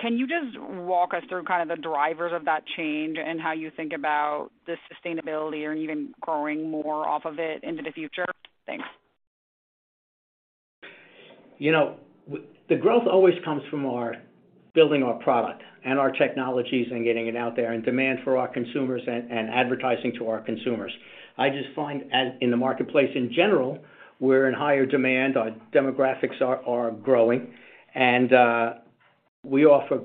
Can you just walk us through kind of the drivers of that change and how you think about the sustainability and even growing more off of it into the future? Thanks. You know, the growth always comes from our building our product and our technologies and getting it out there and demand for our consumers and advertising to our consumers. I just find as in the marketplace in general, we're in higher demand. Our demographics are growing and we offer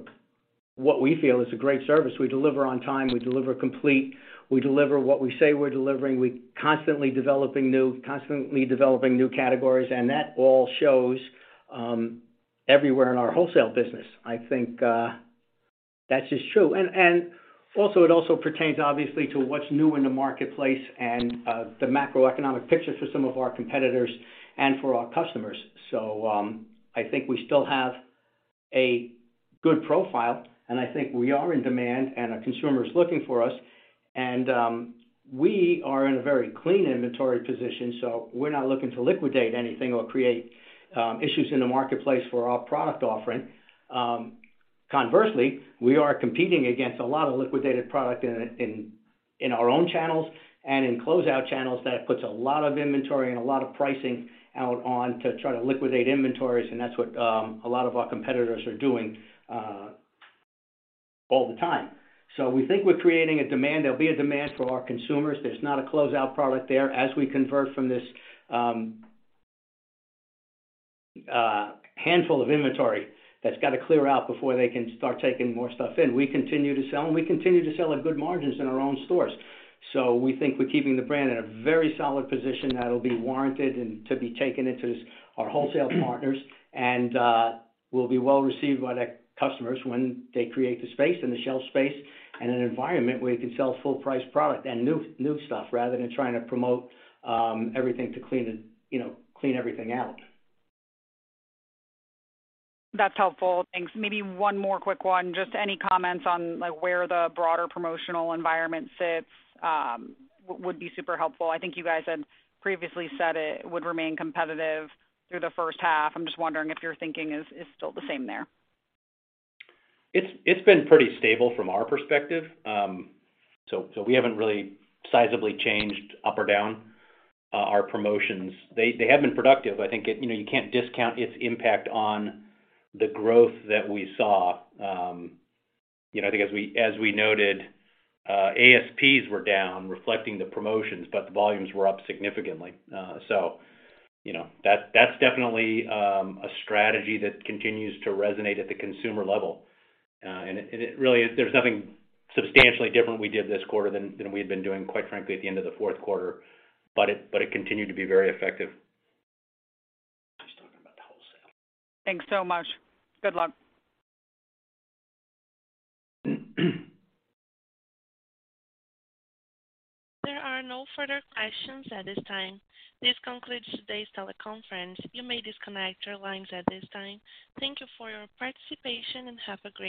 what we feel is a great service. We deliver on time, we deliver complete, we deliver what we say we're delivering. We constantly developing new categories, that all shows everywhere in our wholesale business. I think that's just true. Also, it also pertains obviously to what's new in the marketplace and the macroeconomic picture for some of our competitors and for our customers. I think we still have a good profile, and I think we are in demand, and our consumer is looking for us. We are in a very clean inventory position, so we're not looking to liquidate anything or create issues in the marketplace for our product offering. Conversely, we are competing against a lot of liquidated product in our own channels and in closeout channels that puts a lot of inventory and a lot of pricing out on to try to liquidate inventories, and that's what a lot of our competitors are doing all the time. We think we're creating a demand. There'll be a demand for our consumers. There's not a closeout product there. As we convert from this handful of inventory that's gotta clear out before they can start taking more stuff in. We continue to sell and we continue to sell at good margins in our own stores. We think we're keeping the brand in a very solid position that'll be warranted and to be taken into our wholesale partners and will be well-received by the customers when they create the space and the shelf space and an environment where you can sell full-price product and new stuff rather than trying to promote everything to clean it, you know, clean everything out. That's helpful. Thanks. Maybe one more quick one. Any comments on, like, where the broader promotional environment sits would be super helpful. I think you guys had previously said it would remain competitive through the 1st half. I'm just wondering if your thinking is still the same there. It's been pretty stable from our perspective. We haven't really sizably changed up or down our promotions. They have been productive. I think, you know, you can't discount its impact on the growth that we saw. You know, I think as we noted, ASPs were down, reflecting the promotions, but the volumes were up significantly. You know, that's definitely a strategy that continues to resonate at the consumer level. There's nothing substantially different we did this quarter than we had been doing, quite frankly, at the end of the 4th quarter, but it continued to be very effective. Just talking about the wholesale. Thanks so much. Good luck. There are no further questions at this time. This concludes today's teleconference. You may disconnect your lines at this time. Thank you for your participation, and have a great day.